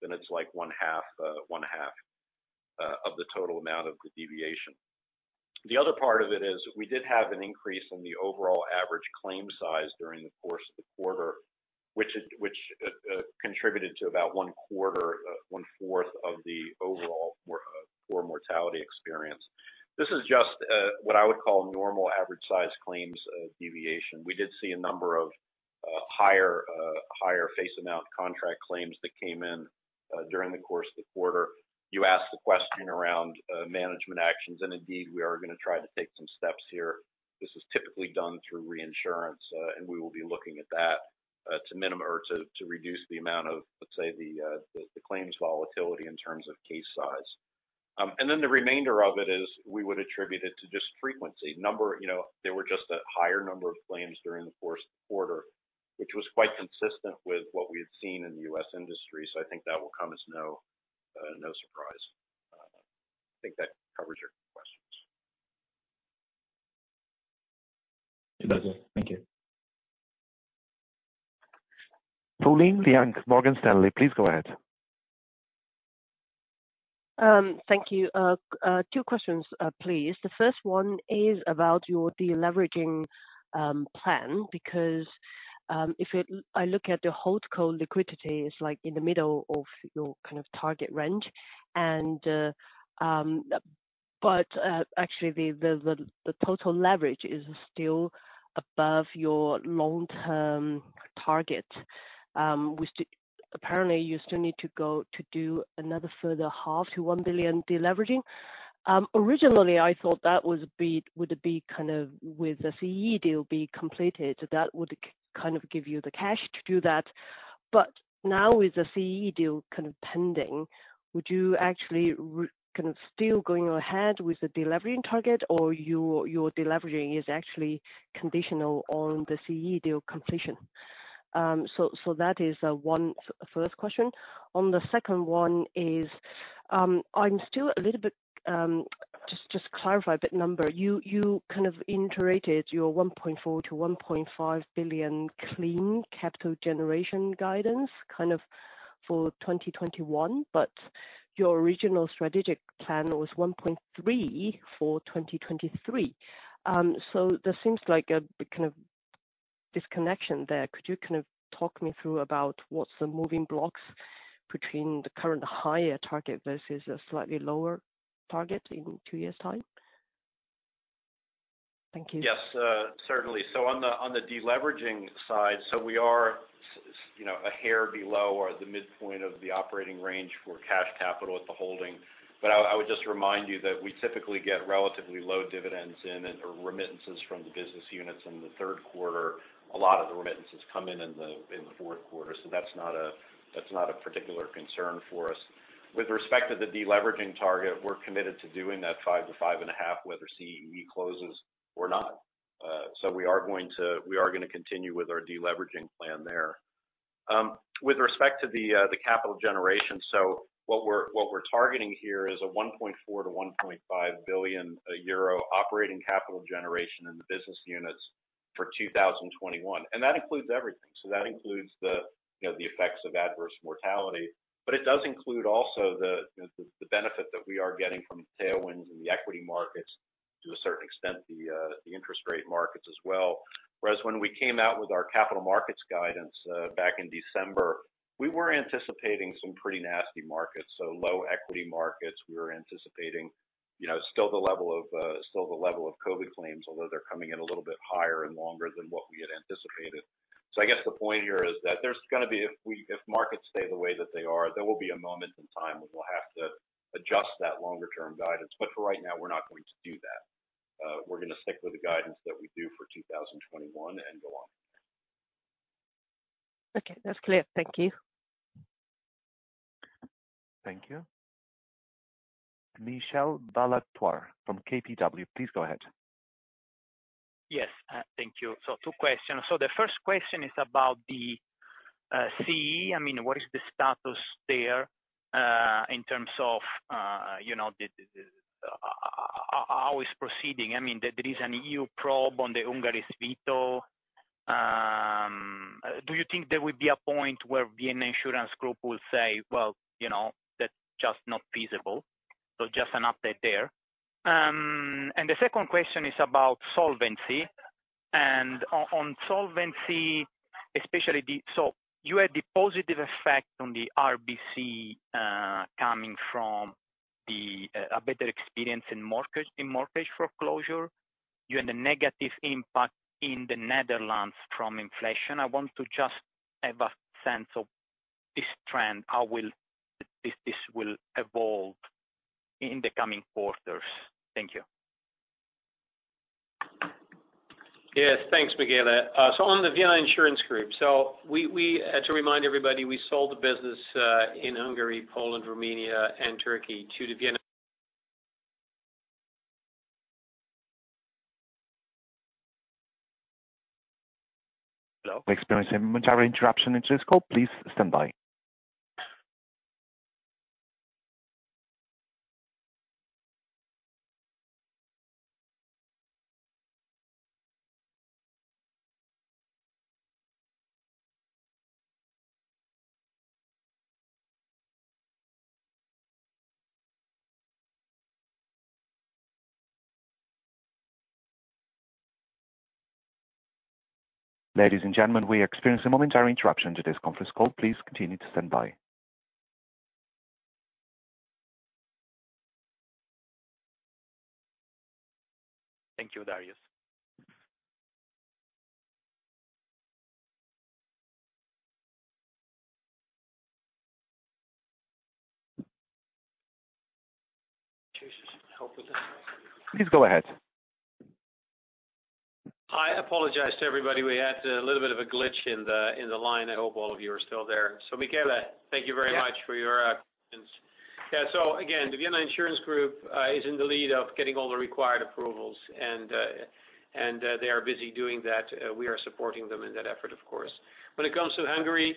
then it's like one half of the total amount of the deviation. The other part of it is we did have an increase in the overall average claim size during the course of the quarter, which contributed to about one-quarter, one-fourth of the overall poor mortality experience. This is just what I would call normal average size claims deviation. We did see a number of higher face amount contract claims that came in during the course of the quarter. You asked the question around management actions, and indeed, we are gonna try to take some steps here. This is typically done through reinsurance, and we will be looking at that, to reduce the amount of, let's say, the claims volatility in terms of case size. The remainder of it is we would attribute it to just frequency. You know, there were just a higher number of claims during the course of the quarter, which was quite consistent with what we had seen in the U.S. industry. I think that will come as no surprise. I think that covers your questions. It does. Thank you. Pauline Le Hank, Morgan Stanley, please go ahead. Thank you. 2 questions, please. The first one is about your deleveraging plan because if I look at the holdco liquidity is like in the middle of your kind of target range and. Actually, the total leverage is still above your long-term target. Apparently, you still need to go to do another further half to 1 billion deleveraging. Originally, I thought that would be kind of with the CEE deal completed, that would kind of give you the cash to do that. Now with the CEE deal kind of pending, would you actually kind of still going ahead with the deleveraging target or your deleveraging is actually conditional on the CEE deal completion? That is one first question. On the second one, I'm still a little bit. Just clarify that number. You kind of integrated your 1.4 to 1.5 billion clean capital generation guidance kind of for 2021, but your original strategic plan was 1.3 billion for 2023. So there seems like a kind of disconnection there. Could you kind of talk me through about what's the moving parts between the current higher target versus a slightly lower target in two years' time? Thank you. Yes, certainly. On the deleveraging side, we are you know, a hair below or the midpoint of the operating range for cash capital at the holding. I would just remind you that we typically get relatively low dividends or remittances from the business units in the Q3. A lot of the remittances come in the Q4. That's not a particular concern for us. With respect to the deleveraging target, we're committed to doing that 5-5.5, whether CEE closes or not. We are gonna continue with our deleveraging plan there. With respect to the capital generation, what we're targeting here is 1.4 to 1.5 billion operating capital generation in the business units for 2021. That includes everything. That includes, you know, the effects of adverse mortality. It does include also the benefit that we are getting from the tailwinds in the equity markets to a certain extent, the interest rate markets as well. Whereas when we came out with our capital markets guidance back in December, we were anticipating some pretty nasty markets. Low equity markets, we were anticipating, you know, still the level of COVID claims, although they're coming in a little bit higher and longer than what we had anticipated. I guess the point here is that if markets stay the way that they are, there will be a moment in time when we'll have to adjust that longer-term guidance. For right now, we're not going to do that. We're gonna stick with the guidance that we do for 2021 and go on. Okay. That's clear. Thank you. Thank you. Michele Ballatore from KBW, please go ahead. Yes. Thank you. Two questions. The first question is about the CEE. I mean, what is the status there in terms of you know how is proceeding? I mean, there is an EU probe on Hungary's veto. Do you think there will be a point where Vienna Insurance Group will say, "Well, you know, that's just not feasible"? Just an update there. The second question is about solvency. On solvency, especially the positive effect on the RBC coming from a better experience in mortgage foreclosure. You had a negative impact in the Netherlands from inflation. I want to just have a sense of this trend. How will this evolve in the coming quarters. Thank you. Thanks, Michele. On the Vienna Insurance Group. To remind everybody, we sold the business in Hungary, Poland, Romania, and Turkey to the Vienna- We're experiencing a momentary interruption in this call. Please stand by. Ladies and gentlemen, we are experiencing a momentary interruption to this conference call. Please continue to stand by. Thank you, Darius. Please go ahead. I apologize to everybody. We had a little bit of a glitch in the line. I hope all of you are still there. Michele, thank you very much for your patience. Yeah. Again, the Vienna Insurance Group is in the lead of getting all the required approvals and they are busy doing that. We are supporting them in that effort, of course. When it comes to Hungary,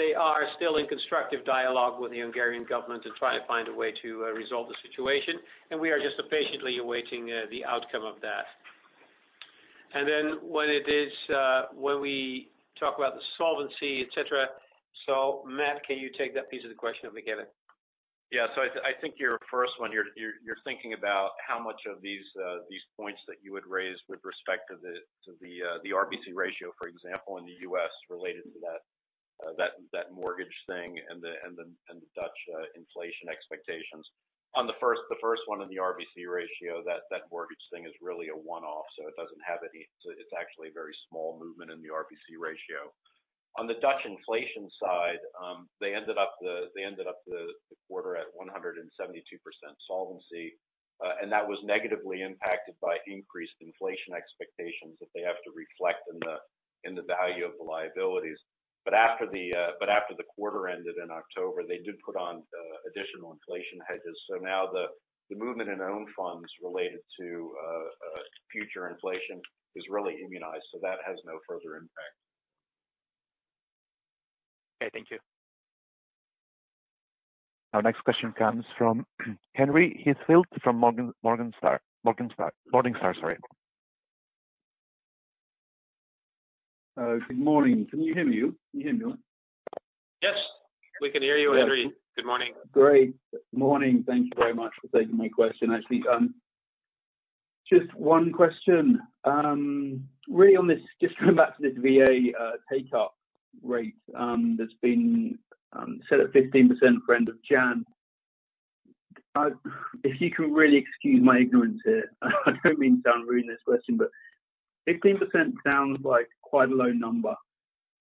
they are still in constructive dialogue with the Hungarian government to try to find a way to resolve the situation. We are just patiently awaiting the outcome of that. Then when it is, when we talk about the solvency, et cetera. Matt, can you take that piece of the question of Michele? I think your first one, you're thinking about how much of these points that you would raise with respect to the RBC ratio, for example, in the U.S. related to that mortgage thing and the Dutch inflation expectations. On the first one in the RBC ratio, that mortgage thing is really a one-off. It doesn't have any. It's actually a very small movement in the RBC ratio. On the Dutch inflation side, they ended up the quarter at 172% solvency, and that was negatively impacted by increased inflation expectations that they have to reflect in the value of the liabilities. After the quarter ended in October, they did put on additional inflation hedges. Now the movement in own funds related to future inflation is really immunized, so that has no further impact. Okay. Thank you. Our next question comes from Farooq Hanif from Morningstar, sorry. Good morning. Can you hear me? Can you hear me? Yes, we can hear you Farooq Hanif. Good morning. Good morning. Thank you very much for taking my question. Actually, just one question. Really on this, just going back to this VA take-up rate, that's been set at 15% for end of January. If you can really excuse my ignorance here, I don't mean to sound rude in this question, but 15% sounds like quite a low number.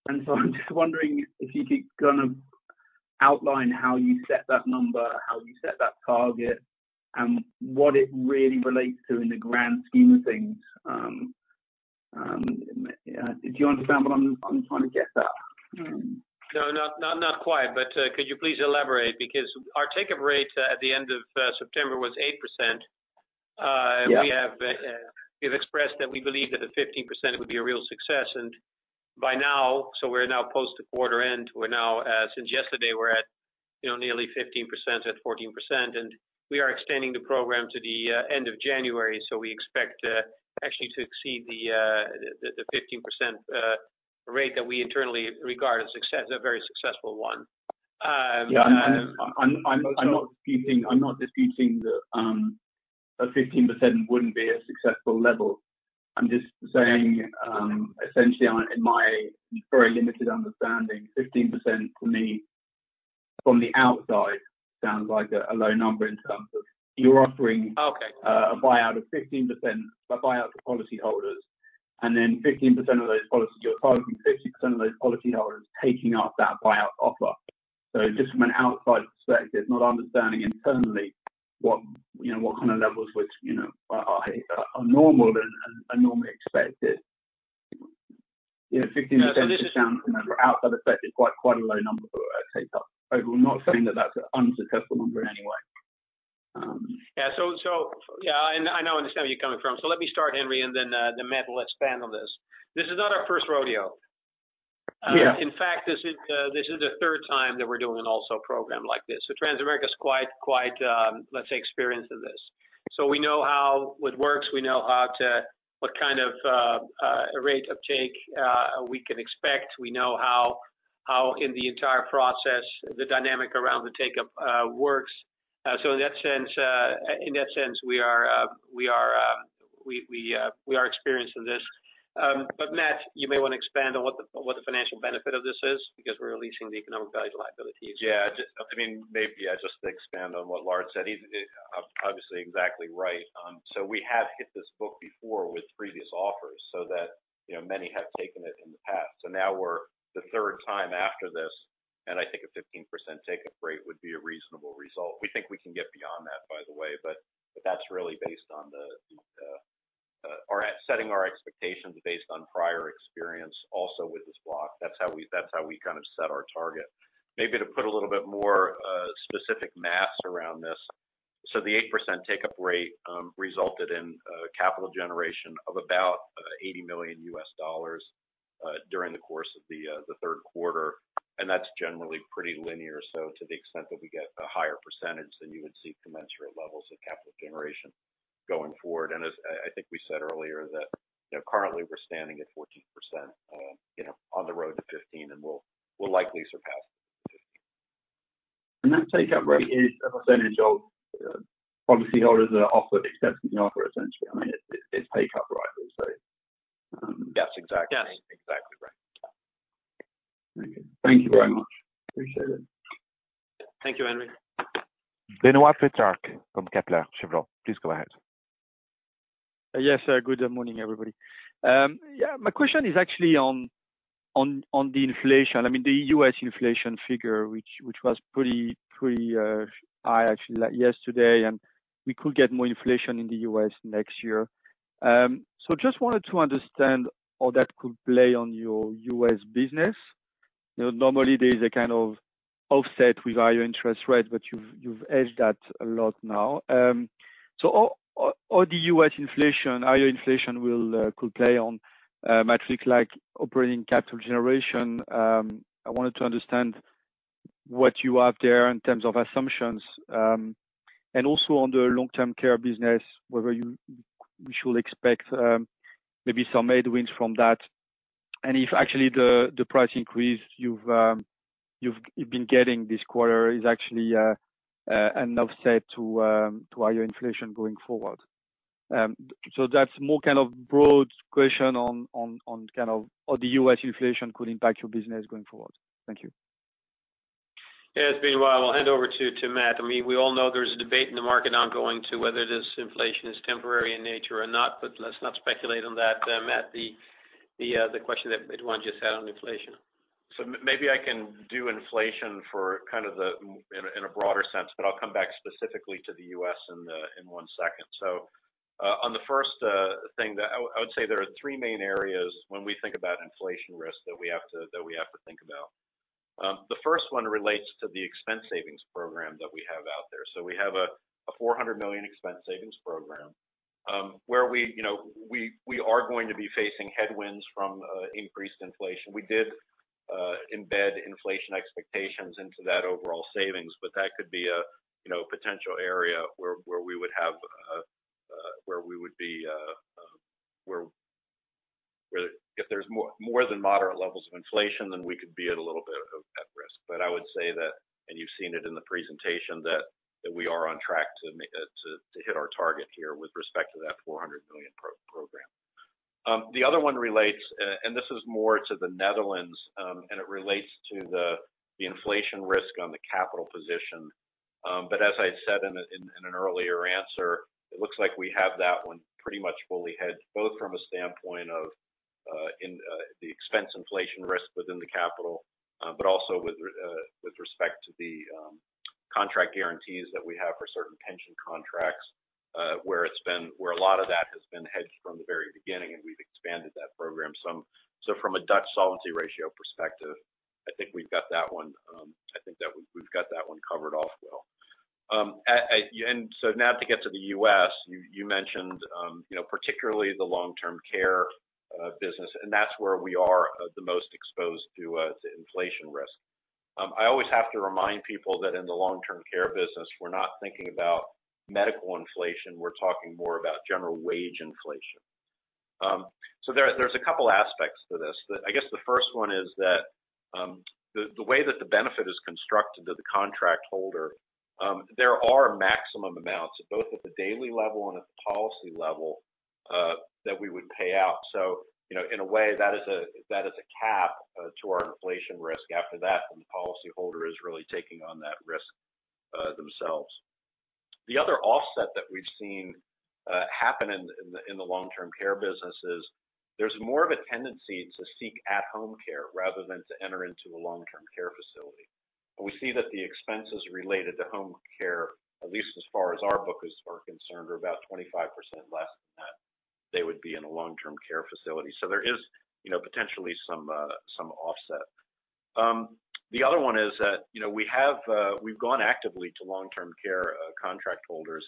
I'm just wondering if you could kind of outline how you set that number, how you set that target, and what it really relates to in the grand scheme of things. Do you understand what I'm trying to get at? No, not quite, but could you please elaborate? Because our take-up rate at the end of September was 8%. Yeah. We've expressed that we believe that at 15% it would be a real success. By now, we're now close to quarter end. We're now, since yesterday, we're at, you know, nearly 15% at 14%, and we are extending the program to the end of January. We expect actually to exceed the 15% rate that we internally regard a success, a very successful one. Yeah. I'm not disputing that 15% wouldn't be a successful level. I'm just saying, essentially in my very limited understanding, 15% for me from the outside sounds like a low number in terms of you're offering- Okay. A buyout of 15%, a buyout to policyholders, and then 15% of those policies, you're targeting 15% of those policyholders taking up that buyout offer. Just from an outside perspective, not understanding internally what, you know, what kind of levels which, you know, are normal than normally expected. You know, 15% just sounds from an outside perspective quite a low number for a take-up. I'm not saying that that's an unsuccessful number in any way. Yeah. So yeah. I know, I understand where you're coming from. Let me start, Henry, and then Matt will expand on this. This is not our first rodeo. Yeah. In fact, this is the third time that we're doing an ALSO program like this. Transamerica is quite, let's say, experienced in this. We know how it works, we know what kind of take-up rate we can expect. We know how in the entire process, the dynamic around the take-up works. In that sense, we are experienced in this. Matt, you may want to expand on what the financial benefit of this is because we're releasing the economic value of liabilities. Maybe I just expand on what Lard said. He's obviously exactly right. We have hit this book before with previous offers so that many have taken it in the past. Now we're the third time after this, and I think a 15% take-up rate would be a reasonable result. We think we can get beyond that, by the way, but that's really based on the setting our expectations based on prior experience also with this block. That's how we kind of set our target. Maybe to put a little bit more specific math around this. The 8% take-up rate resulted in capital generation of about $80 million during the course of the Q3, and that's generally pretty linear. To the extent that we get a higher percentage, then you would see commensurate levels of capital generation going forward. As I think we said earlier is that, you know, currently we're standing at 14%, you know, on the road to 15, and we'll likely surpass it. that take-up rate is a percentage of policyholders that are offered acceptance offer, essentially. I mean, it's take up, right? That's exactly. Yes. Exactly right. Thank you. Thank you very much. Appreciate it. Thank you, Farooq Hanif. Benoît Pétrarque from Kepler Cheuvreux. Please go ahead. Yes. Good morning, everybody. Yeah, my question is actually on the inflation, I mean, the U.S. inflation figure, which was pretty high actually like yesterday, and we could get more inflation in the U.S. next year. So just wanted to understand how that could play on your U.S. business. You know, normally there's a kind of offset with higher interest rates, but you've hedged that a lot now. So how the U.S. inflation, higher inflation could play on metrics like operating capital generation. I wanted to understand what you have there in terms of assumptions, and also on the long-term care business, whether we should expect maybe some headwinds from that. If actually the price increase you've been getting this quarter is actually an offset to higher inflation going forward. So that's more kind of broad question on kind of how the U.S. inflation could impact your business going forward. Thank you. Yeah, it's been a while. I'll hand over to Matt. I mean, we all know there's a debate in the market ongoing as to whether this inflation is temporary in nature or not, but let's not speculate on that. Matt, the question that Benoît just had on inflation. Maybe I can do inflation for kind of in a broader sense, but I'll come back specifically to the U.S. in one second. On the first thing that I would say there are three main areas when we think about inflation risk that we have to think about. The first one relates to the expense savings program that we have out there. We have a 400 million expense savings program, where we, you know, are going to be facing headwinds from increased inflation. We did embed inflation expectations into that overall savings, but that could be a, you know, potential area where we would be at a little bit of risk if there's more than moderate levels of inflation. I would say that, and you've seen it in the presentation, that we are on track to hit our target here with respect to that 400 million program. The other one relates, and this is more to the Netherlands, and it relates to the inflation risk on the capital position. As I said in an earlier answer, it looks like we have that one pretty much fully hedged, both from a standpoint of the expense inflation risk within the capital, but also with respect to the contract guarantees that we have for certain pension contracts, where a lot of that has been hedged from the very beginning, and we've expanded that program. From a Dutch solvency ratio perspective, I think we've got that one covered off well. Now to get to the U.S., you mentioned, you know, particularly the long-term care business, and that's where we are the most exposed to inflation risk. I always have to remind people that in the long-term care business, we're not thinking about medical inflation, we're talking more about general wage inflation. There's a couple aspects to this. I guess the first one is that the way that the benefit is constructed to the contract holder, there are maximum amounts both at the daily level and at the policy level that we would pay out. You know, in a way, that is a cap to our inflation risk. After that, the policyholder is really taking on that risk themselves. The other offset that we've seen happen in the long-term care business is there's more of a tendency to seek at-home care rather than to enter into a long-term care facility. We see that the expenses related to home care, at least as far as our book is concerned, are about 25% less than they would be in a long-term care facility. There is, you know, potentially some offset. The other one is that, you know, we've gone actively to long-term care contract holders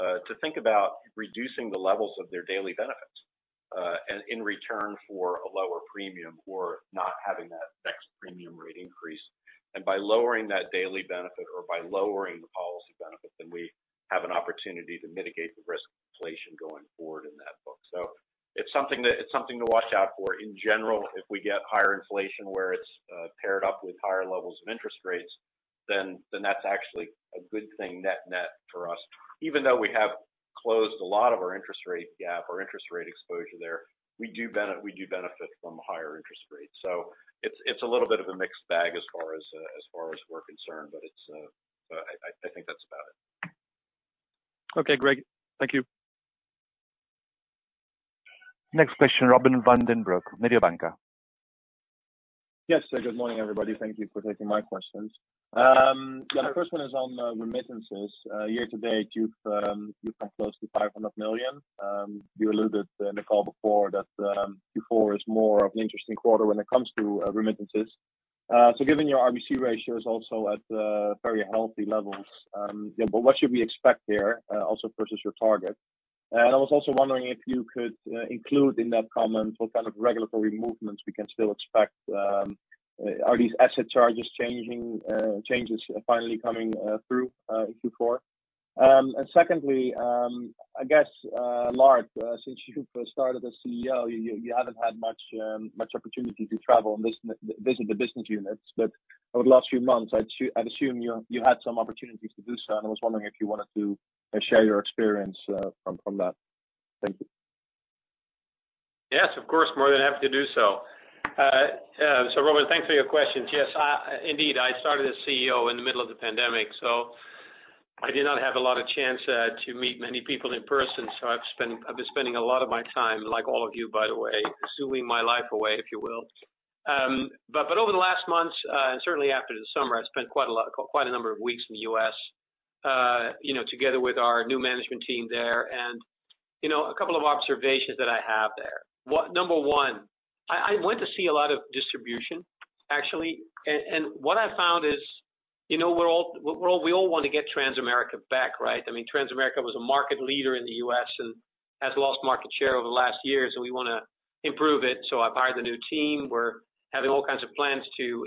to think about reducing the levels of their daily benefits in return for a lower premium or not having that next premium rate increase. By lowering that daily benefit or by lowering the policy benefit, then we have an opportunity to mitigate the risk of inflation going forward in that book. It's something to watch out for. In general, if we get higher inflation where it's paired up with higher levels of interest rates. That's actually a good thing net net for us. Even though we have closed a lot of our interest rate gap or interest rate exposure there, we benefit from higher interest rates. It's a little bit of a mixed bag as far as we're concerned, but I think that's about it. Okay, great. Thank you. Next question, Robin van den Broek, Mediobanca. Yes. Good morning, everybody. Thank you for taking my questions. My first one is on remittances. Year-to-date, you've come close to $500 million. You alluded in the call before that Q4 is more of an interesting quarter when it comes to remittances. So given your RBC ratio is also at very healthy levels, yeah, but what should we expect there also versus your target? And I was also wondering if you could include in that comment what kind of regulatory movements, we can still expect. Are these asset charge changes finally coming through in Q4? And secondly, I guess, Lard, since you've started as CEO, you haven't had much opportunity to travel and visit the business units. Over the last few months, I'd assume you had some opportunities to do so, and I was wondering if you wanted to share your experience from that. Thank you. Yes, of course, more than happy to do so. So, Robin, thanks for your questions. Yes, I indeed started as CEO in the middle of the pandemic, so I did not have a lot of chance to meet many people in person. I've been spending a lot of my time, like all of you, by the way, Zooming my life away, if you will. But over the last months and certainly after the summer, I spent quite a number of weeks in the U.S., you know, together with our new management team there. You know, a couple of observations that I have there. Number one, I went to see a lot of distribution, actually. What I found is, you know, we all want to get Transamerica back, right? I mean, Transamerica was a market leader in the U.S. and has lost market share over the last years, and we wanna improve it. I've hired a new team. We're having all kinds of plans to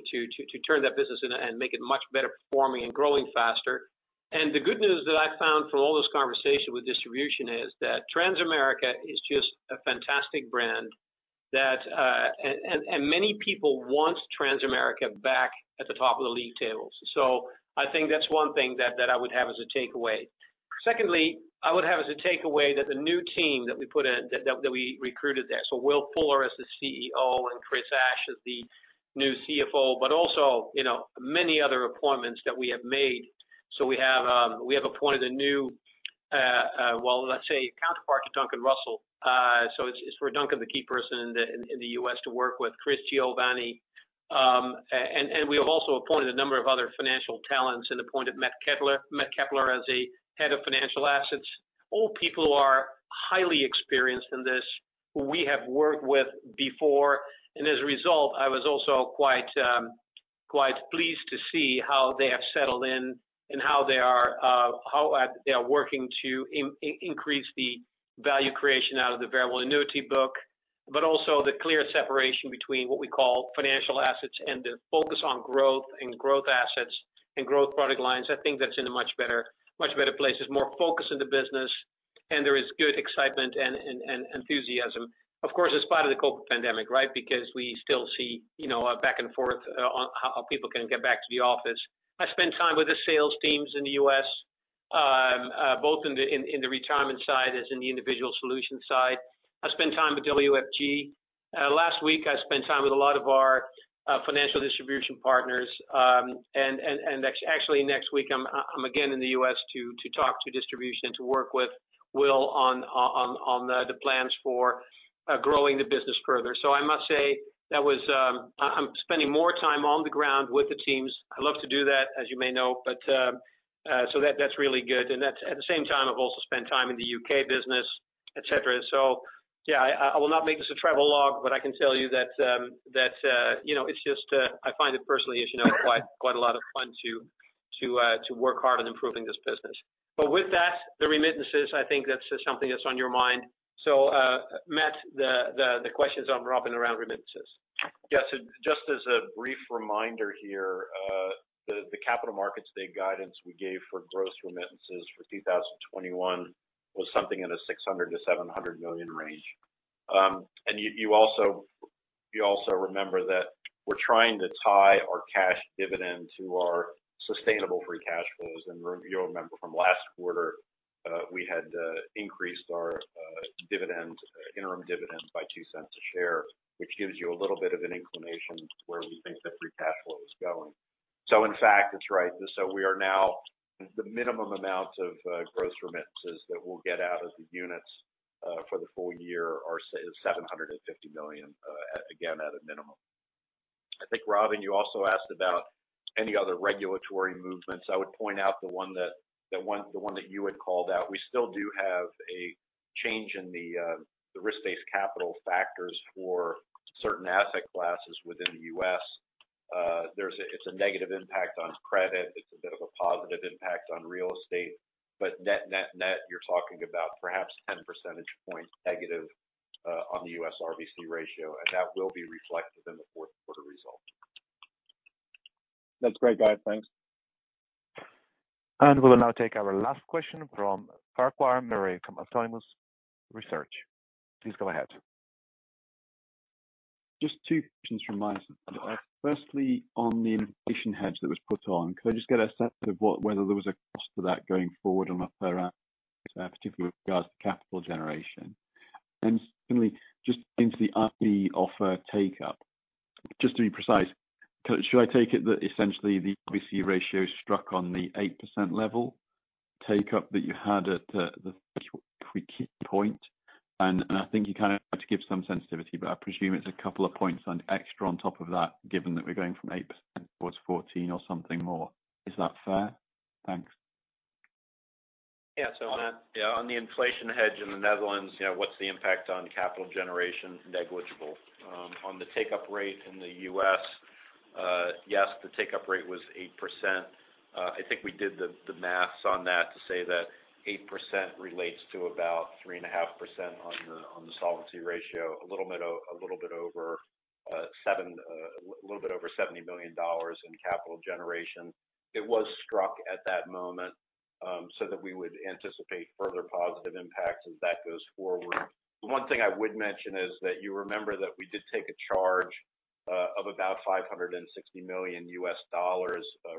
turn that business and make it much better performing and growing faster. The good news that I found from all this conversation with distribution is that Transamerica is just a fantastic brand that many people want Transamerica back at the top of the league tables. I think that's one thing that I would have as a takeaway. Secondly, I would have as a takeaway that the new team that we put in, that we recruited there. Will Fuller as the CEO and Chris Ashe as the new CFO, but also, you know, many other appointments that we have made. We have appointed a new, well, let's say, counterpart to Duncan Russell, for Duncan, the key person in the US to work with Chris Giovanni. We have also appointed a number of other financial talents and appointed Matt Keppler as Head of Financial Assets. All people who are highly experienced in this, who we have worked with before. As a result, I was also quite pleased to see how they have settled in and how they are working to increase the value creation out of the variable annuity book, but also the clear separation between what we call financial assets and the focus on growth and growth assets and growth product lines. I think that's in a much better place. There's more focus in the business, and there is good excitement and enthusiasm, of course, in spite of the COVID-19 pandemic, right? Because we still see, you know, a back and forth on how people can get back to the office. I spent time with the sales teams in the U.S., both in the retirement side as in the Individual Solutions side. I spent time with WFG. Last week I spent time with a lot of our financial distribution partners. Actually, next week I'm again in the U.S. to talk to distribution, to work with Will on the plans for growing the business further. I must say I'm spending more time on the ground with the teams. I love to do that, as you may know, but that's really good. At the same time, I've also spent time in the U.K. business, et cetera. Yeah, I will not make this a travelogue, but I can tell you that you know, it's just I find it personally, as you may know, quite a lot of fun to work hard on improving this business. With that, the remittances, I think that's just something that's on your mind. Matt, the question is on Robin around remittances. Yes. Just as a brief reminder here, the Capital Markets Day guidance we gave for gross remittances for 2021 was something in the 600 to 700 million range. You also remember that we're trying to tie our cash dividend to our sustainable free cash flows. You'll remember from last quarter, we had increased our interim dividend by 0.02 per share, which gives you a little bit of an inclination to where we think the free cash flow is going. In fact, that's right. We are now the minimum amount of gross remittances that we'll get out of the units for the full year is $750 million, again, at a minimum. I think, Robin, you also asked about any other regulatory movements. I would point out the one that you had called out. We still do have a change in the risk-based capital factors for certain asset classes within the U.S. It's a negative impact on credit. It's a bit of a positive impact on real estate. But net, you're talking about perhaps 10 percentage points negative on the U.S. RBC ratio, and that will be reflected in the Q4 results. That's great, guys. Thanks. We'll now take our last question from Farquhar Murray from Autonomous Research. Please go ahead. Just two questions from my side. First, on the inflation hedge that was put on. Could I just get a sense of whether there was a cost to that going forward, particularly with regards to capital generation? Second, just into the IPO offer take-up. Just to be precise, should I take it that essentially the RBC ratio struck on the 8% level take-up that you had at the critical point. And I think you kind of had to give some sensitivity, but I presume it's a couple of points extra on top of that, given that we're going from 8% towards 14% or something more. Is that fair? Thanks. Yeah, on the inflation hedge in the Netherlands, you know, what's the impact on capital generation? Negligible. On the take-up rate in the U.S., yes, the take-up rate was 8%. I think we did the math on that to say that 8% relates to about 3.5% on the solvency ratio. A little bit over $70 million in capital generation. It was struck at that moment, so that we would anticipate further positive impacts as that goes forward. The one thing I would mention is that you remember that we did take a charge of about $560 million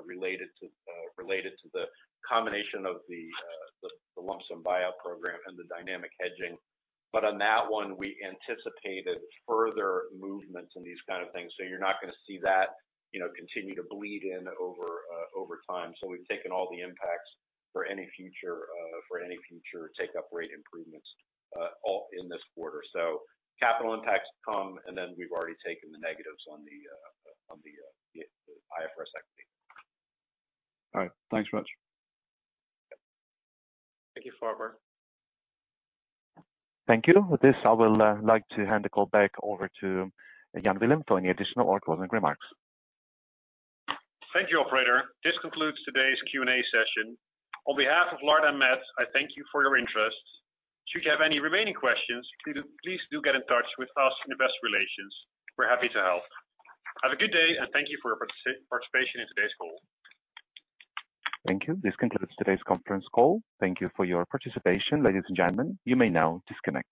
related to the combination of the lump sum buyout program and the dynamic hedging. On that one, we anticipated further movements in these kinds of things. You're not gonna see that, you know, continue to bleed in over time. We've taken all the impacts for any future take-up rate improvements all in this quarter. Capital impacts come, and then we've already taken the negatives on the IFRS equity. All right. Thanks much. Thank you, Farquhar. Thank you. With this, I will like to hand the call back over to Jan Willem Weidema for any additional or closing remarks. Thank you, operator. This concludes today's Q&A session. On behalf of Lard and me, I thank you for your interest. Should you have any remaining questions, please do get in touch with us in Investor Relations. We're happy to help. Have a good day and thank you for your participation in today's call. Thank you. This concludes today's conference call. Thank you for your participation. Ladies and gentlemen, you may now disconnect.